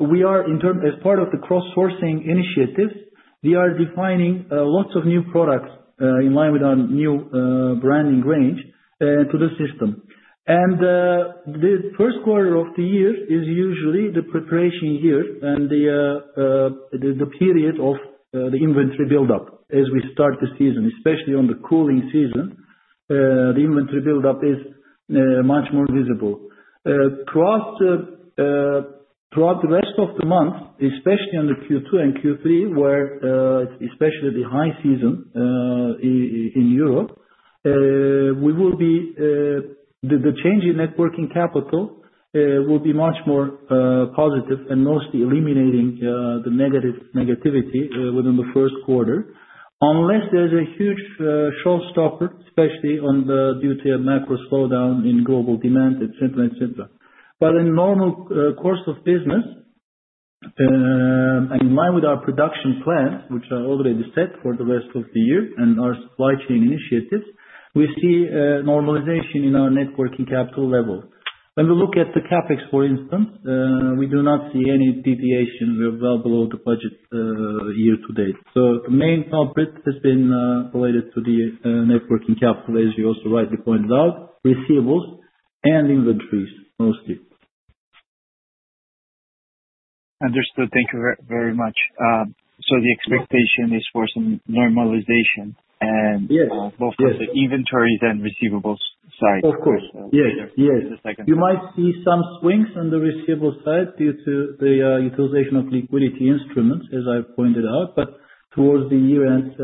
as part of the cross-sourcing initiatives, we are defining lots of new products in line with our new branding range to the system. The first quarter of the year is usually the preparation year and the period of the inventory buildup as we start the season, especially on the cooling season. The inventory buildup is much more visible. Throughout the rest of the month, especially on the Q2 and Q3, where it's especially the high season in Europe, we will be the change in net working capital will be much more positive and mostly eliminating the negativity within the first quarter, unless there's a huge showstopper, especially due to a macro slowdown in global demand, etc., etc. In normal course of business and in line with our production plan, which are already set for the rest of the year and our supply chain initiatives, we see normalization in our net working capital level. When we look at the CapEx, for instance, we do not see any deviation. We are well below the budget year to date. The main culprit has been related to the net working capital, as you also rightly pointed out, receivables and inventories mostly. Understood. Thank you very much. The expectation is for some normalization in both the inventories and receivables side. Of course. Yes. You might see some swings on the receivable side due to the utilization of liquidity instruments, as I pointed out. Towards the year end,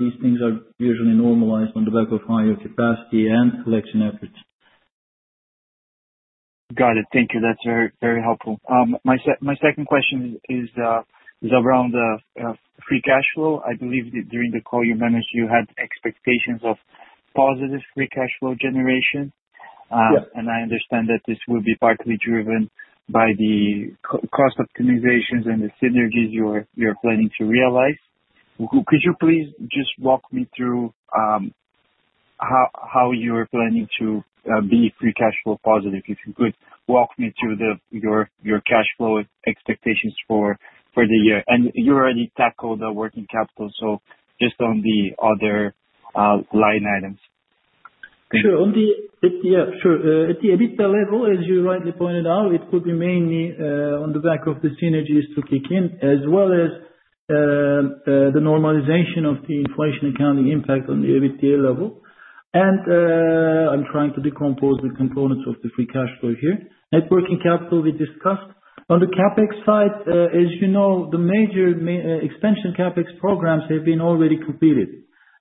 these things are usually normalized on the back of higher capacity and collection efforts. Got it. Thank you. That's very helpful. My second question is around free cash flow. I believe during the call you mentioned you had expectations of positive free cash flow generation. I understand that this will be partly driven by the cost optimizations and the synergies you are planning to realize. Could you please just walk me through how you are planning to be free cash flow positive? If you could walk me through your cash flow expectations for the year. You already tackled the working capital, so just on the other line items. Sure. Yeah. Sure. At the EBITDA level, as you rightly pointed out, it could be mainly on the back of the synergies to kick in, as well as the normalization of the inflation accounting impact on the EBITDA level. I'm trying to decompose the components of the free cash flow here. Networking capital, we discussed. On the CapEx side, as you know, the major expansion CapEx programs have been already completed.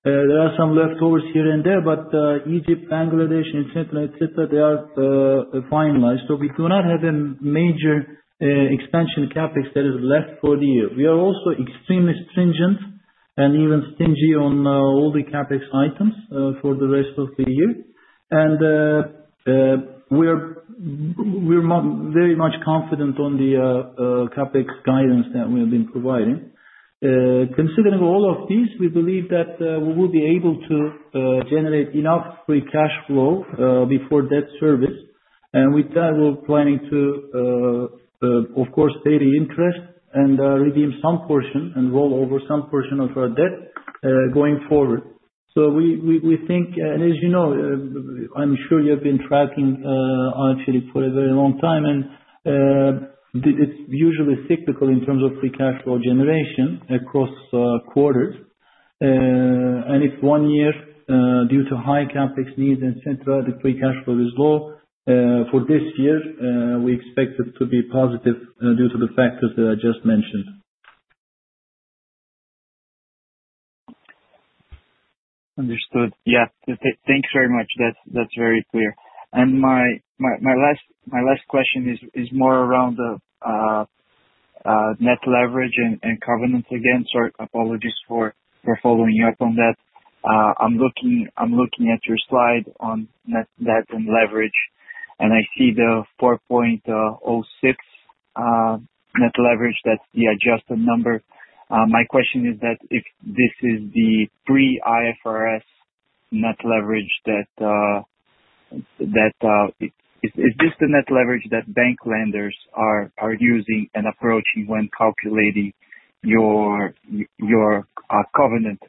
There are some leftovers here and there, but Egypt, Bangladesh, etc., etc., they are finalized. We do not have a major expansion CapEx that is left for the year. We are also extremely stringent and even stingy on all the CapEx items for the rest of the year. We're very much confident on the CapEx guidance that we have been providing. Considering all of these, we believe that we will be able to generate enough free cash flow before debt service. With that, we're planning to, of course, pay the interest and redeem some portion and roll over some portion of our debt going forward. We think, and as you know, I'm sure you have been tracking actually for a very long time, it's usually cyclical in terms of free cash flow generation across quarters. If one year, due to high CapEx needs, etc., the free cash flow is low, for this year, we expect it to be positive due to the factors that I just mentioned. Understood. Yes. Thanks very much. That's very clear. My last question is more around net leverage and covenants again. Sorry. Apologies for following up on that. I'm looking at your slide on net debt and leverage, and I see the 4.06 net leverage. That's the adjusted number. My question is that if this is the pre-IFRS net leverage, is this the net leverage that bank lenders are using and approaching when calculating your covenant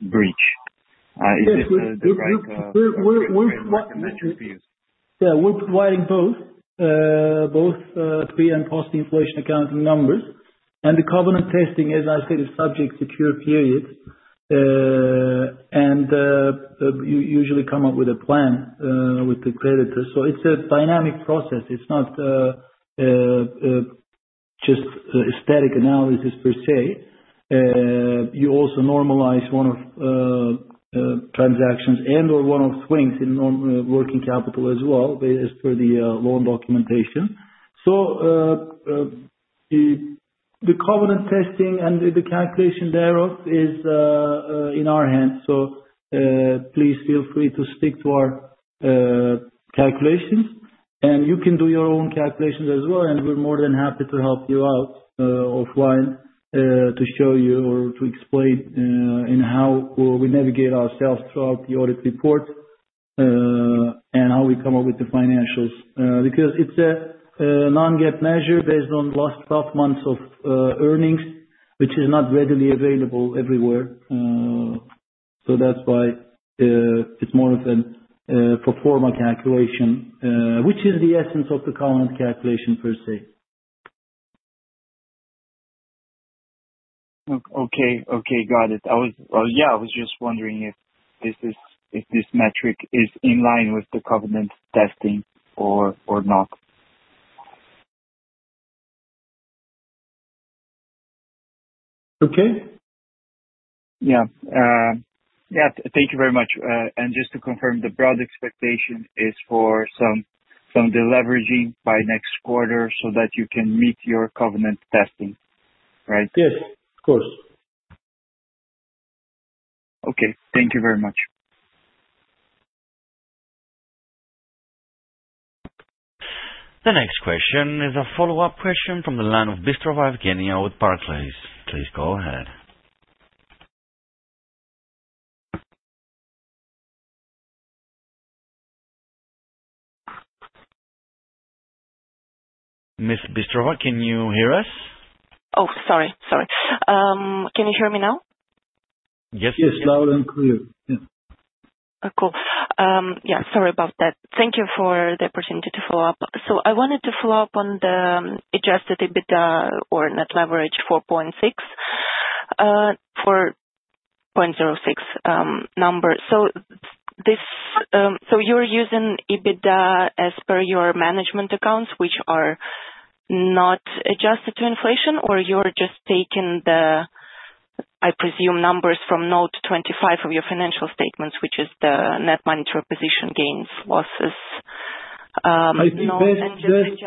breach? Yeah. We're providing both, both pre and post-inflation accounting numbers. The covenant testing, as I said, is subject to a period and usually come up with a plan with the creditor. It is a dynamic process. It is not just aesthetic analysis per se. You also normalize one-off transactions and/or one-off swings in working capital as well as per the loan documentation. The covenant testing and the calculation thereof is in our hands. Please feel free to stick to our calculations. You can do your own calculations as well, and we're more than happy to help you out offline to show you or to explain how we navigate ourselves throughout the audit report and how we come up with the financials because it is a non-GAAP measure based on last 12 months of earnings, which is not readily available everywhere. That's why it's more of a pro forma calculation, which is the essence of the covenant calculation per se. Okay. Okay. Got it. Yeah. I was just wondering if this metric is in line with the covenant testing or not. Okay. Yeah. Yeah. Thank you very much. Just to confirm, the broad expectation is for some leveraging by next quarter so that you can meet your covenant testing, right? Yes. Of course. Okay. Thank you very much. The next question is a follow-up question from the line of Bystrova Evgeniya with Barclays. Please go ahead. Ms. Bystrova, can you hear us? Oh, sorry. Sorry. Can you hear me now? Yes. Yes, loud and clear. Yeah. Cool. Yeah. Sorry about that. Thank you for the opportunity to follow up. I wanted to follow up on the adjusted EBITDA or net leverage 4.06 number. You're using EBITDA as per your management accounts, which are not adjusted to inflation, or you're just taking the, I presume, numbers from note 25 of your financial statements, which is the net monetary position gains, losses. I think best. And just.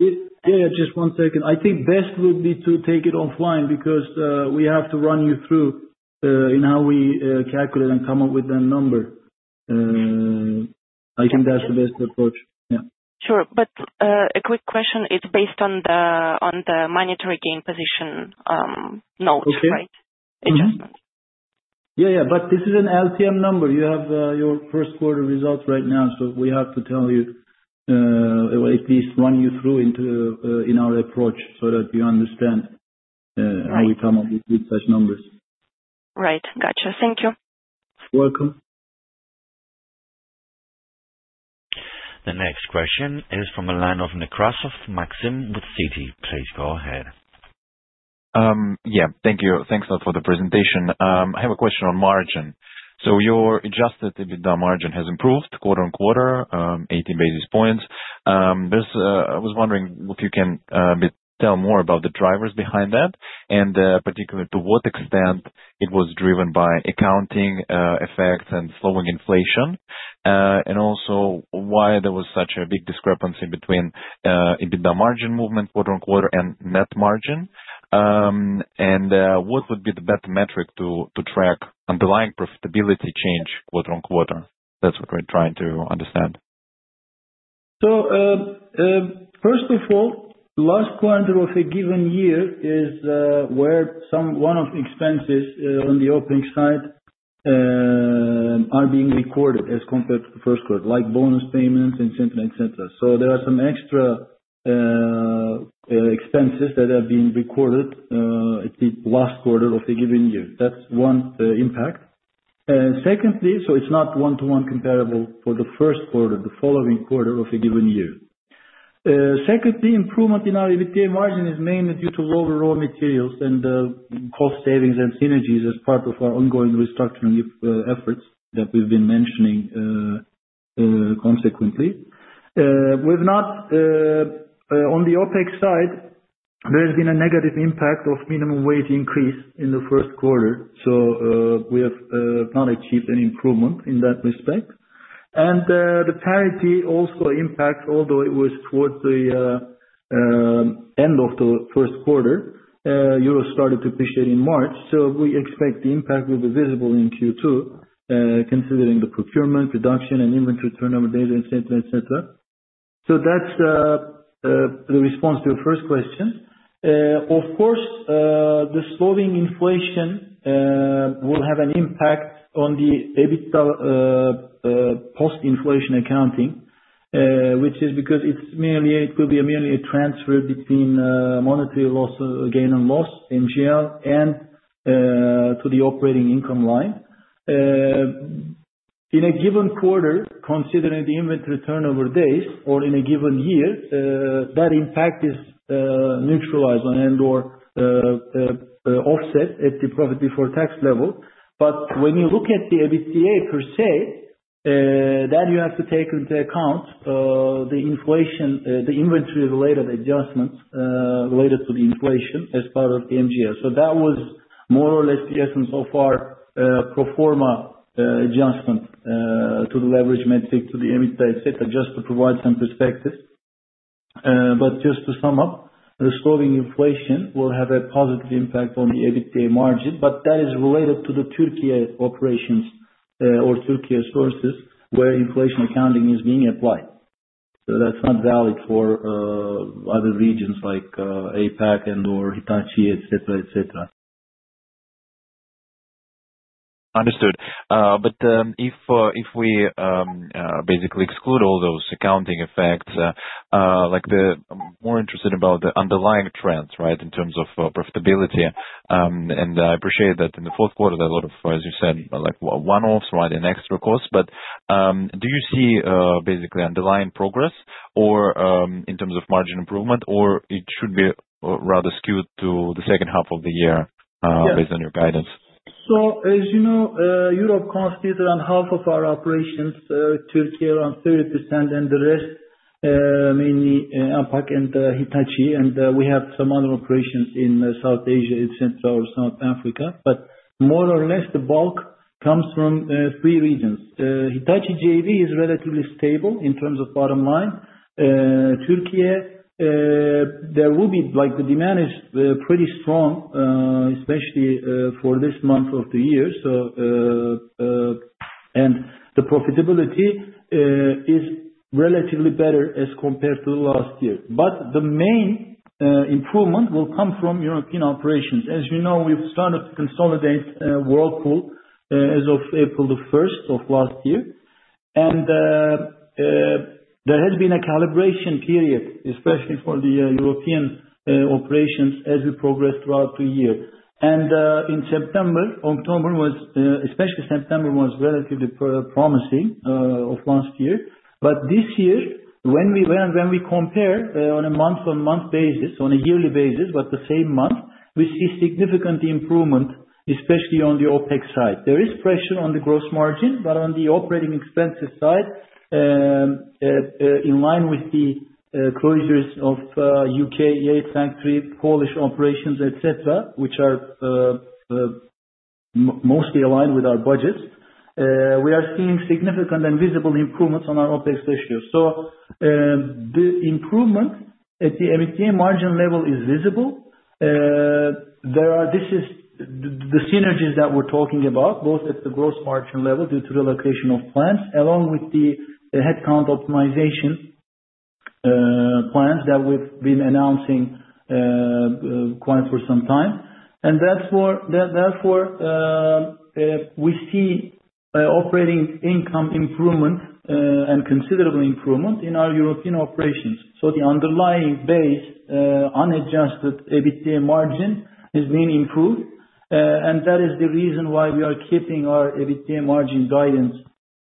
Yeah. Just one second. I think best would be to take it offline because we have to run you through in how we calculate and come up with that number. I think that's the best approach. Yeah. Sure. A quick question. It's based on the monetary gain position note, right? Adjustment. Yeah. Yeah. This is an LTM number. You have your first quarter results right now. We have to tell you or at least run you through our approach so that you understand how we come up with such numbers. Right. Gotcha. Thank you. You're welcome. The next question is from the line of Maxim Nekrasov with Citi. Please go ahead. Yeah. Thank you. Thanks a lot for the presentation. I have a question on margin. Your adjusted EBITDA margin has improved quarter on quarter, 18 basis points. I was wondering if you can tell more about the drivers behind that and particularly to what extent it was driven by accounting effects and slowing inflation, and also why there was such a big discrepancy between EBITDA margin movement quarter on quarter and net margin. What would be the best metric to track underlying profitability change quarter on quarter? That's what we're trying to understand. First of all, last quarter of a given year is where one of the expenses on the opening side are being recorded as compared to the first quarter, like bonus payments, etc., etc. There are some extra expenses that have been recorded at the last quarter of a given year. That's one impact. Secondly, it's not one-to-one comparable for the first quarter, the following quarter of a given year. Secondly, improvement in our EBITDA margin is mainly due to lower raw materials and cost savings and synergies as part of our ongoing restructuring efforts that we've been mentioning consequently. On the OPEX side, there has been a negative impact of minimum wage increase in the first quarter. We have not achieved any improvement in that respect. The parity also impacts, although it was towards the end of the first quarter, euro started to appreciate in March. We expect the impact will be visible in Q2, considering the procurement, production, and inventory turnover data, etc., etc. That is the response to your first question. Of course, the slowing inflation will have an impact on the EBITDA post-inflation accounting, which is because it will be merely a transfer between monetary gain and loss, MGL, and to the operating income line. In a given quarter, considering the inventory turnover days or in a given year, that impact is neutralized and/or offset at the profit before tax level. When you look at the EBITDA per se, then you have to take into account the inventory-related adjustments related to the inflation as part of the MGL. That was more or less the essence of our pro forma adjustment to the leverage metric, to the EBITDA, etc., just to provide some perspective. Just to sum up, the slowing inflation will have a positive impact on the EBITDA margin, but that is related to the Türkiye operations or Türkiye sources where inflation accounting is being applied. That is not valid for other regions like APAC and/or Hitachi, etc., etc. Understood. If we basically exclude all those accounting effects, like the more interested in the underlying trends, right, in terms of profitability. I appreciate that in the fourth quarter, there are a lot of, as you said, one-offs, right, and extra costs. Do you see basically underlying progress in terms of margin improvement, or it should be rather skewed to the second half of the year based on your guidance? As you know, Europe constitutes around half of our operations, Türkiye around 30%, and the rest mainly APAC and Hitachi. We have some other operations in South Asia, etc., or South Africa. More or less, the bulk comes from three regions. Hitachi JV is relatively stable in terms of bottom line. Türkiye, there will be like the demand is pretty strong, especially for this month of the year. The profitability is relatively better as compared to last year. The main improvement will come from European operations. As you know, we've started to consolidate Whirlpool as of April 1 of last year. There has been a calibration period, especially for the European operations, as we progressed throughout the year. In September, especially September, was relatively promising of last year. This year, when we compare on a month-on-month basis, on a yearly basis, but the same month, we see significant improvement, especially on the OPEX side. There is pressure on the gross margin, but on the operating expenses side, in line with the closures of U.K., Yate factory, Polish operations, etc., which are mostly aligned with our budgets, we are seeing significant and visible improvements on our OPEX ratio. The improvement at the EBITDA margin level is visible. This is the synergies that we're talking about, both at the gross margin level due to relocation of plants, along with the headcount optimization plans that we've been announcing quite for some time. Therefore, we see operating income improvement and considerable improvement in our European operations. The underlying base, unadjusted EBITDA margin, is being improved. That is the reason why we are keeping our EBITDA margin guidance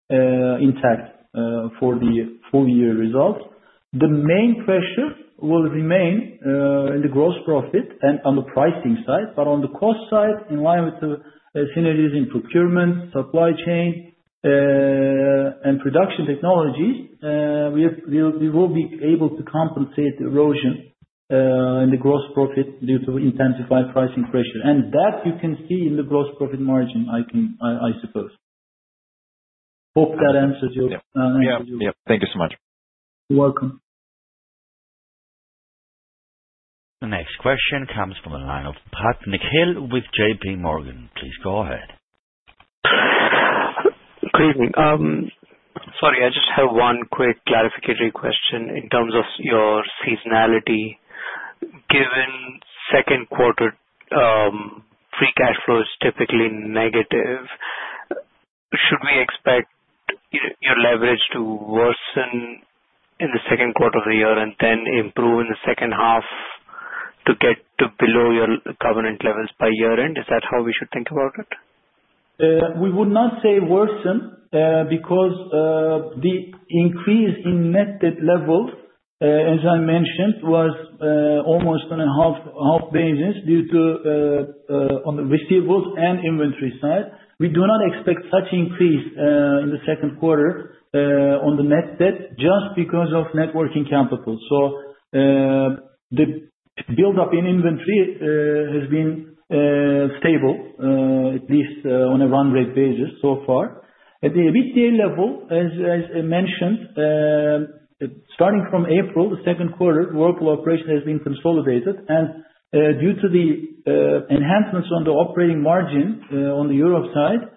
intact for the full year results. The main pressure will remain in the gross profit and on the pricing side. On the cost side, in line with the synergies in procurement, supply chain, and production technologies, we will be able to compensate the erosion in the gross profit due to intensified pricing pressure. You can see that in the gross profit margin, I suppose. Hope that answers your question. Yeah. Yeah. Thank you so much. You're welcome. The next question comes from the line of Patil Nikhil with JP Morgan. Please go ahead. Good evening. Sorry, I just have one quick clarificatory question. In terms of your seasonality, given second quarter free cash flow is typically negative, should we expect your leverage to worsen in the second quarter of the year and then improve in the second half to get below your covenant levels by year-end? Is that how we should think about it? We would not say worsen because the increase in net debt level, as I mentioned, was almost on a half basis due to on the receivables and inventory side. We do not expect such increase in the second quarter on the net debt just because of net working capital. The build-up in inventory has been stable, at least on a run rate basis so far. At the EBITDA level, as mentioned, starting from April, the second quarter, Whirlpool operation has been consolidated. Due to the enhancements on the operating margin on the euro side,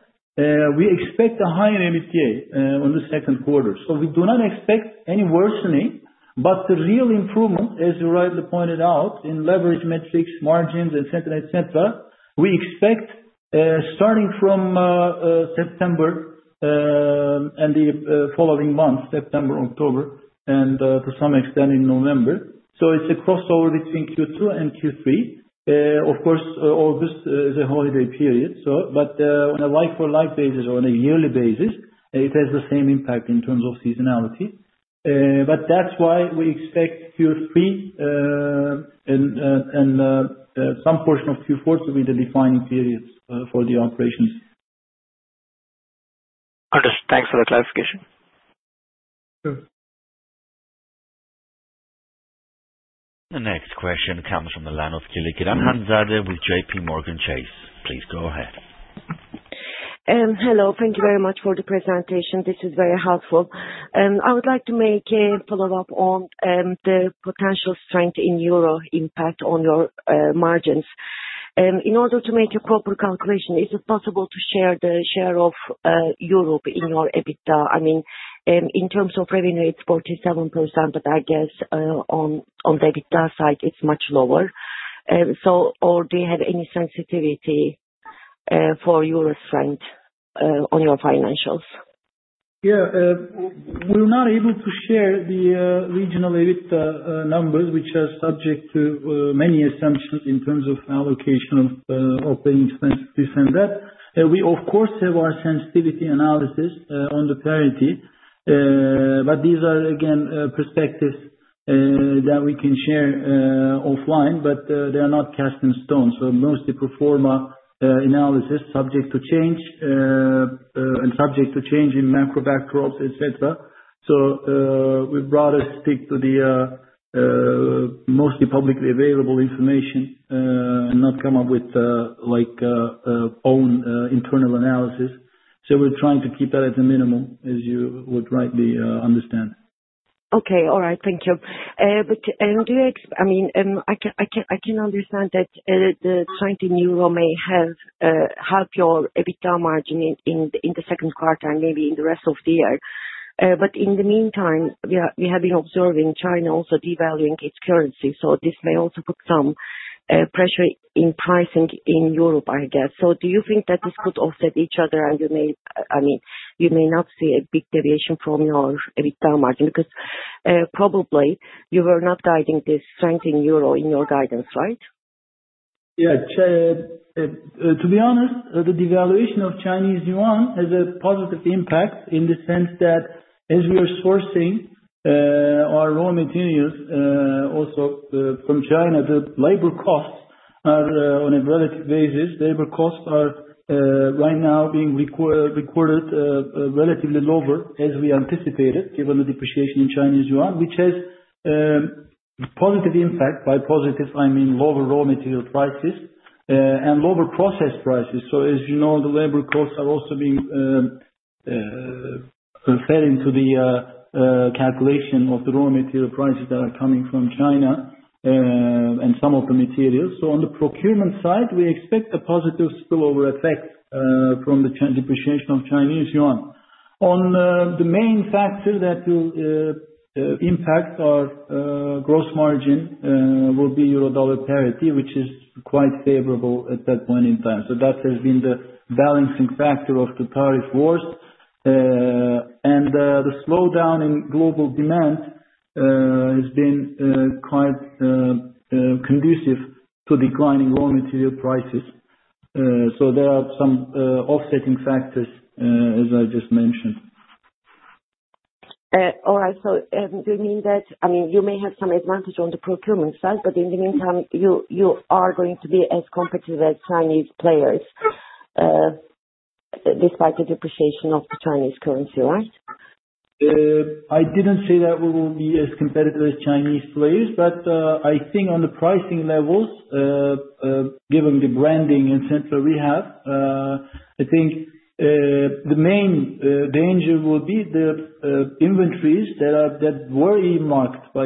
we expect a higher EBITDA on the second quarter. We do not expect any worsening. The real improvement, as you rightly pointed out, in leverage metrics, margins, etc., etc., we expect starting from September and the following month, September, October, and to some extent in November. It is a crossover between Q2 and Q3. Of course, August is a holiday period. On a like-for-like basis or on a yearly basis, it has the same impact in terms of seasonality. That is why we expect Q3 and some portion of Q4 to be the defining period for the operations. Understood. Thanks for the clarification. Sure. The next question comes from the line of Kilickiran Hanzade with JPMorgan Chase & Co. Please go ahead. Hello. Thank you very much for the presentation. This is very helpful. I would like to make a follow-up on the potential strength in euro impact on your margins. In order to make a proper calculation, is it possible to share the share of Europe in your EBITDA? I mean, in terms of revenue, it's 47%, but I guess on the EBITDA side, it's much lower. Or do you have any sensitivity for euro strength on your financials? Yeah. We're not able to share the regional EBITDA numbers, which are subject to many assumptions in terms of allocation of operating expenses, this and that. We, of course, have our sensitivity analysis on the parity. These are, again, perspectives that we can share offline, but they are not cast in stone. Mostly pro forma analysis, subject to change and subject to change in macro backdrops, etc. We brought a stick to the mostly publicly available information and not come up with our own internal analysis. We're trying to keep that at a minimum, as you would rightly understand. Okay. All right. Thank you. I mean, I can understand that the trend in euro may have helped your EBITDA margin in the second quarter and maybe in the rest of the year. In the meantime, we have been observing China also devaluing its currency. This may also put some pressure in pricing in Europe, I guess. Do you think that this could offset each other and you may, I mean, you may not see a big deviation from your EBITDA margin? Because probably you were not guiding this strength in euro in your guidance, right? Yeah. To be honest, the devaluation of Chinese yuan has a positive impact in the sense that as we are sourcing our raw materials also from China, the labor costs are on a relative basis. Labor costs are right now being recorded relatively lower as we anticipated, given the depreciation in Chinese yuan, which has positive impact. By positive, I mean lower raw material prices and lower process prices. As you know, the labor costs are also being fed into the calculation of the raw material prices that are coming from China and some of the materials. On the procurement side, we expect a positive spillover effect from the depreciation of Chinese yuan. The main factor that will impact our gross margin will be euro dollar parity, which is quite favorable at that point in time. That has been the balancing factor of the tariff wars. The slowdown in global demand has been quite conducive to declining raw material prices. There are some offsetting factors, as I just mentioned. All right. Do you mean that, I mean, you may have some advantage on the procurement side, but in the meantime, you are going to be as competitive as Chinese players despite the depreciation of the Chinese currency, right? I didn't say that we will be as competitive as Chinese players, but I think on the pricing levels, given the branding etc. we have, I think the main danger will be the inventories that were earmarked for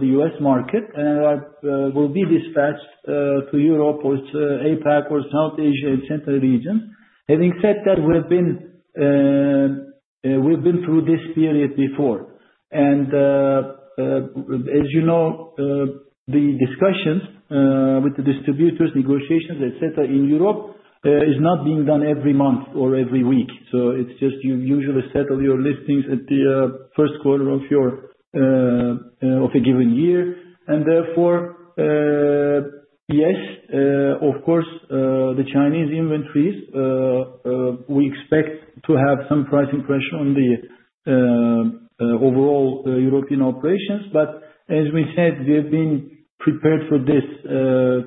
the U.S. market and will be dispatched to Europe or APAC or South Asia and Central regions. Having said that, we've been through this period before. And as you know, the discussions with the distributors, negotiations, etc. in Europe are not being done every month or every week. You usually settle your listings at the first quarter of a given year. Therefore, yes, of course, the Chinese inventories, we expect to have some pricing pressure on the overall European operations. As we said, we have been prepared for this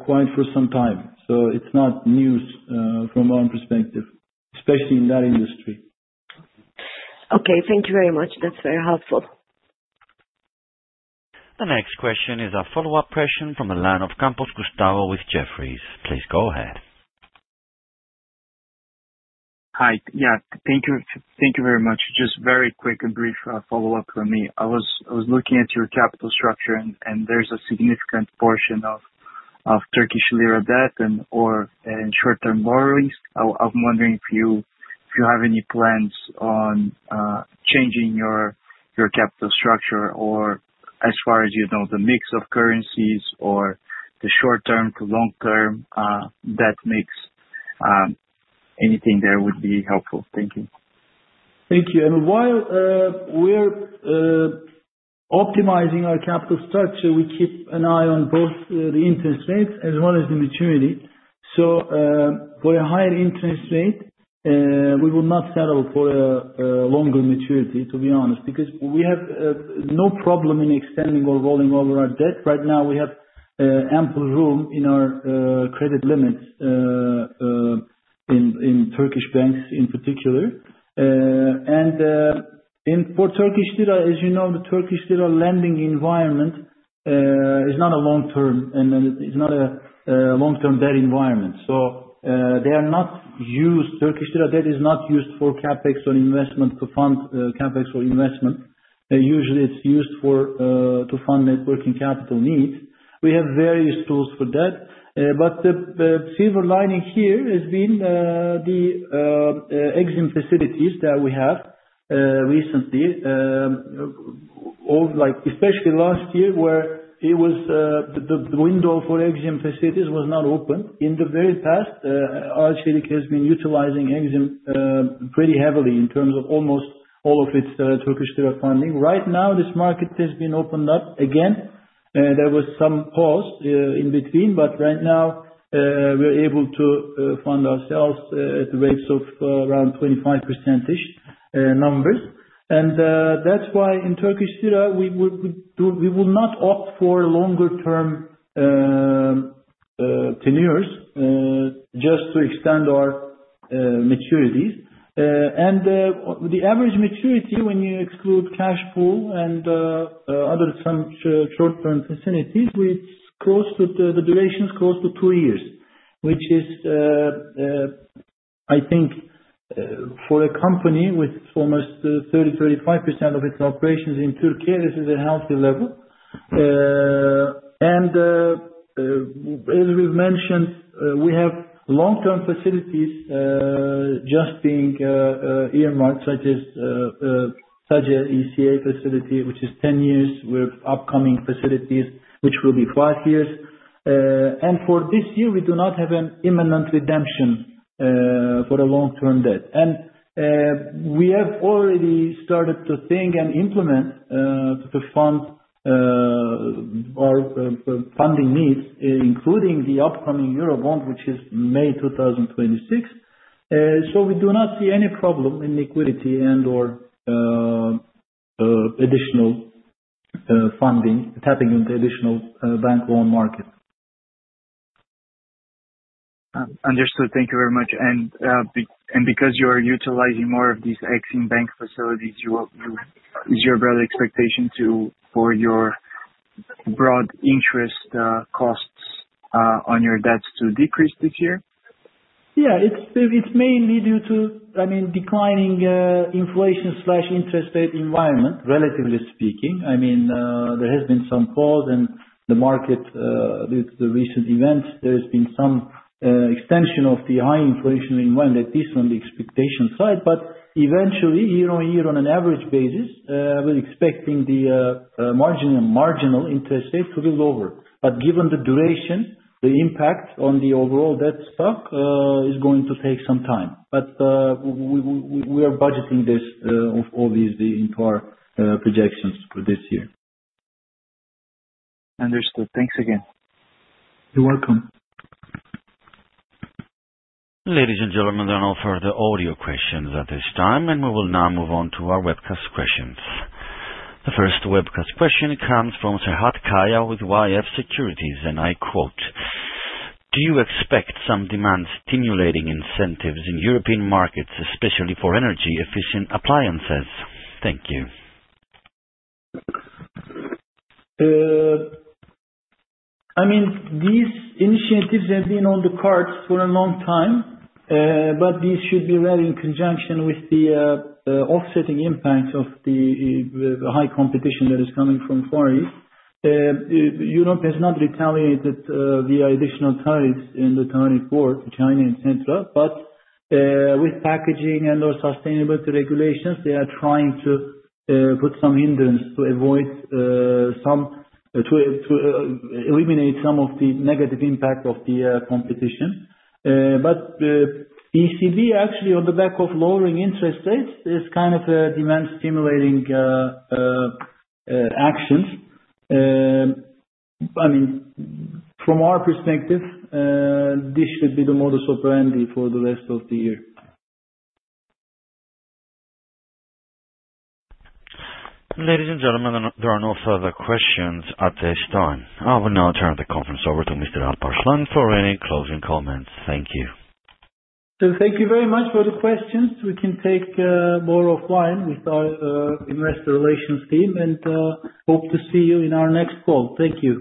quite for some time. It's not news from our perspective, especially in that industry. Okay. Thank you very much. That's very helpful. The next question is a follow-up question from the line of Campos Gustavo with Jefferies. Please go ahead. Hi. Yeah. Thank you very much. Just very quick and brief follow-up from me. I was looking at your capital structure, and there's a significant portion of TL debt and short-term borrowings. I'm wondering if you have any plans on changing your capital structure or, as far as you know, the mix of currencies or the short-term to long-term debt mix. Anything there would be helpful. Thank you. Thank you. While we're optimizing our capital structure, we keep an eye on both the interest rates as well as the maturity. For a higher interest rate, we will not settle for a longer maturity, to be honest, because we have no problem in extending or rolling over our debt. Right now, we have ample room in our credit limits in Turkish banks in particular. For TL, as you know, the TL lending environment is not a long-term, and it's not a long-term debt environment. They are not used; TL debt is not used for CapEx or investment to fund CapEx or investment. Usually, it's used to fund net working capital needs. We have various tools for that. The silver lining here has been the EXIM facilities that we have recently, especially last year, where the window for EXIM facilities was not opened. In the very past, Arçelik has been utilizing EXIM pretty heavily in terms of almost all of its TL funding. Right now, this market has been opened up again. There was some pause in between, but right now, we're able to fund ourselves at rates of around 25%-ish numbers. That is why in TL, we will not opt for longer-term tenures just to extend our maturities. The average maturity, when you exclude cash pool and other short-term facilities, the duration is close to two years, which is, I think, for a company with almost 30-35% of its operations in Turkey, this is a healthy level. As we've mentioned, we have long-term facilities just being earmarked, such as SACE ECA facility, which is 10 years, with upcoming facilities, which will be 5 years. For this year, we do not have an imminent redemption for a long-term debt. We have already started to think and implement to fund our funding needs, including the upcoming euro bond, which is May 2026. We do not see any problem in liquidity and/or additional funding tapping into additional bank loan market. Understood. Thank you very much. Because you are utilizing more of these EXIM Bank facilities, is your broad expectation for your broad interest costs on your debts to decrease this year? Yeah. It may lead you to, I mean, declining inflation/interest rate environment, relatively speaking. I mean, there has been some pause, and the market, due to the recent events, there has been some extension of the high inflationary environment, at least on the expectation side. Eventually, year on year, on an average basis, we're expecting the marginal interest rate to be lower. Given the duration, the impact on the overall debt stock is going to take some time. We are budgeting this obviously into our projections for this year. Understood. Thanks again. You're welcome. Ladies and gentlemen, there are no further audio questions at this time, and we will now move on to our webcast questions. The first webcast question comes from Serhat Kaya with YF Securities, and I quote, "Do you expect some demand-stimulating incentives in European markets, especially for energy-efficient appliances?" Thank you. I mean, these initiatives have been on the cards for a long time, but these should be ready in conjunction with the offsetting impact of the high competition that is coming from Far East. Europe has not retaliated via additional tariffs in the tariff war, China, etc. With packaging and/or sustainability regulations, they are trying to put some hindrance to eliminate some of the negative impact of the competition. ECB, actually, on the back of lowering interest rates, is kind of demand-stimulating actions. I mean, from our perspective, this should be the modus operandi for the rest of the year. Ladies and gentlemen, there are no further questions at this time. I will now turn the conference over to Mr. Alparslan for any closing comments. Thank you. Thank you very much for the questions. We can take a bowl of wine with our investor relations team and hope to see you in our next call. Thank you.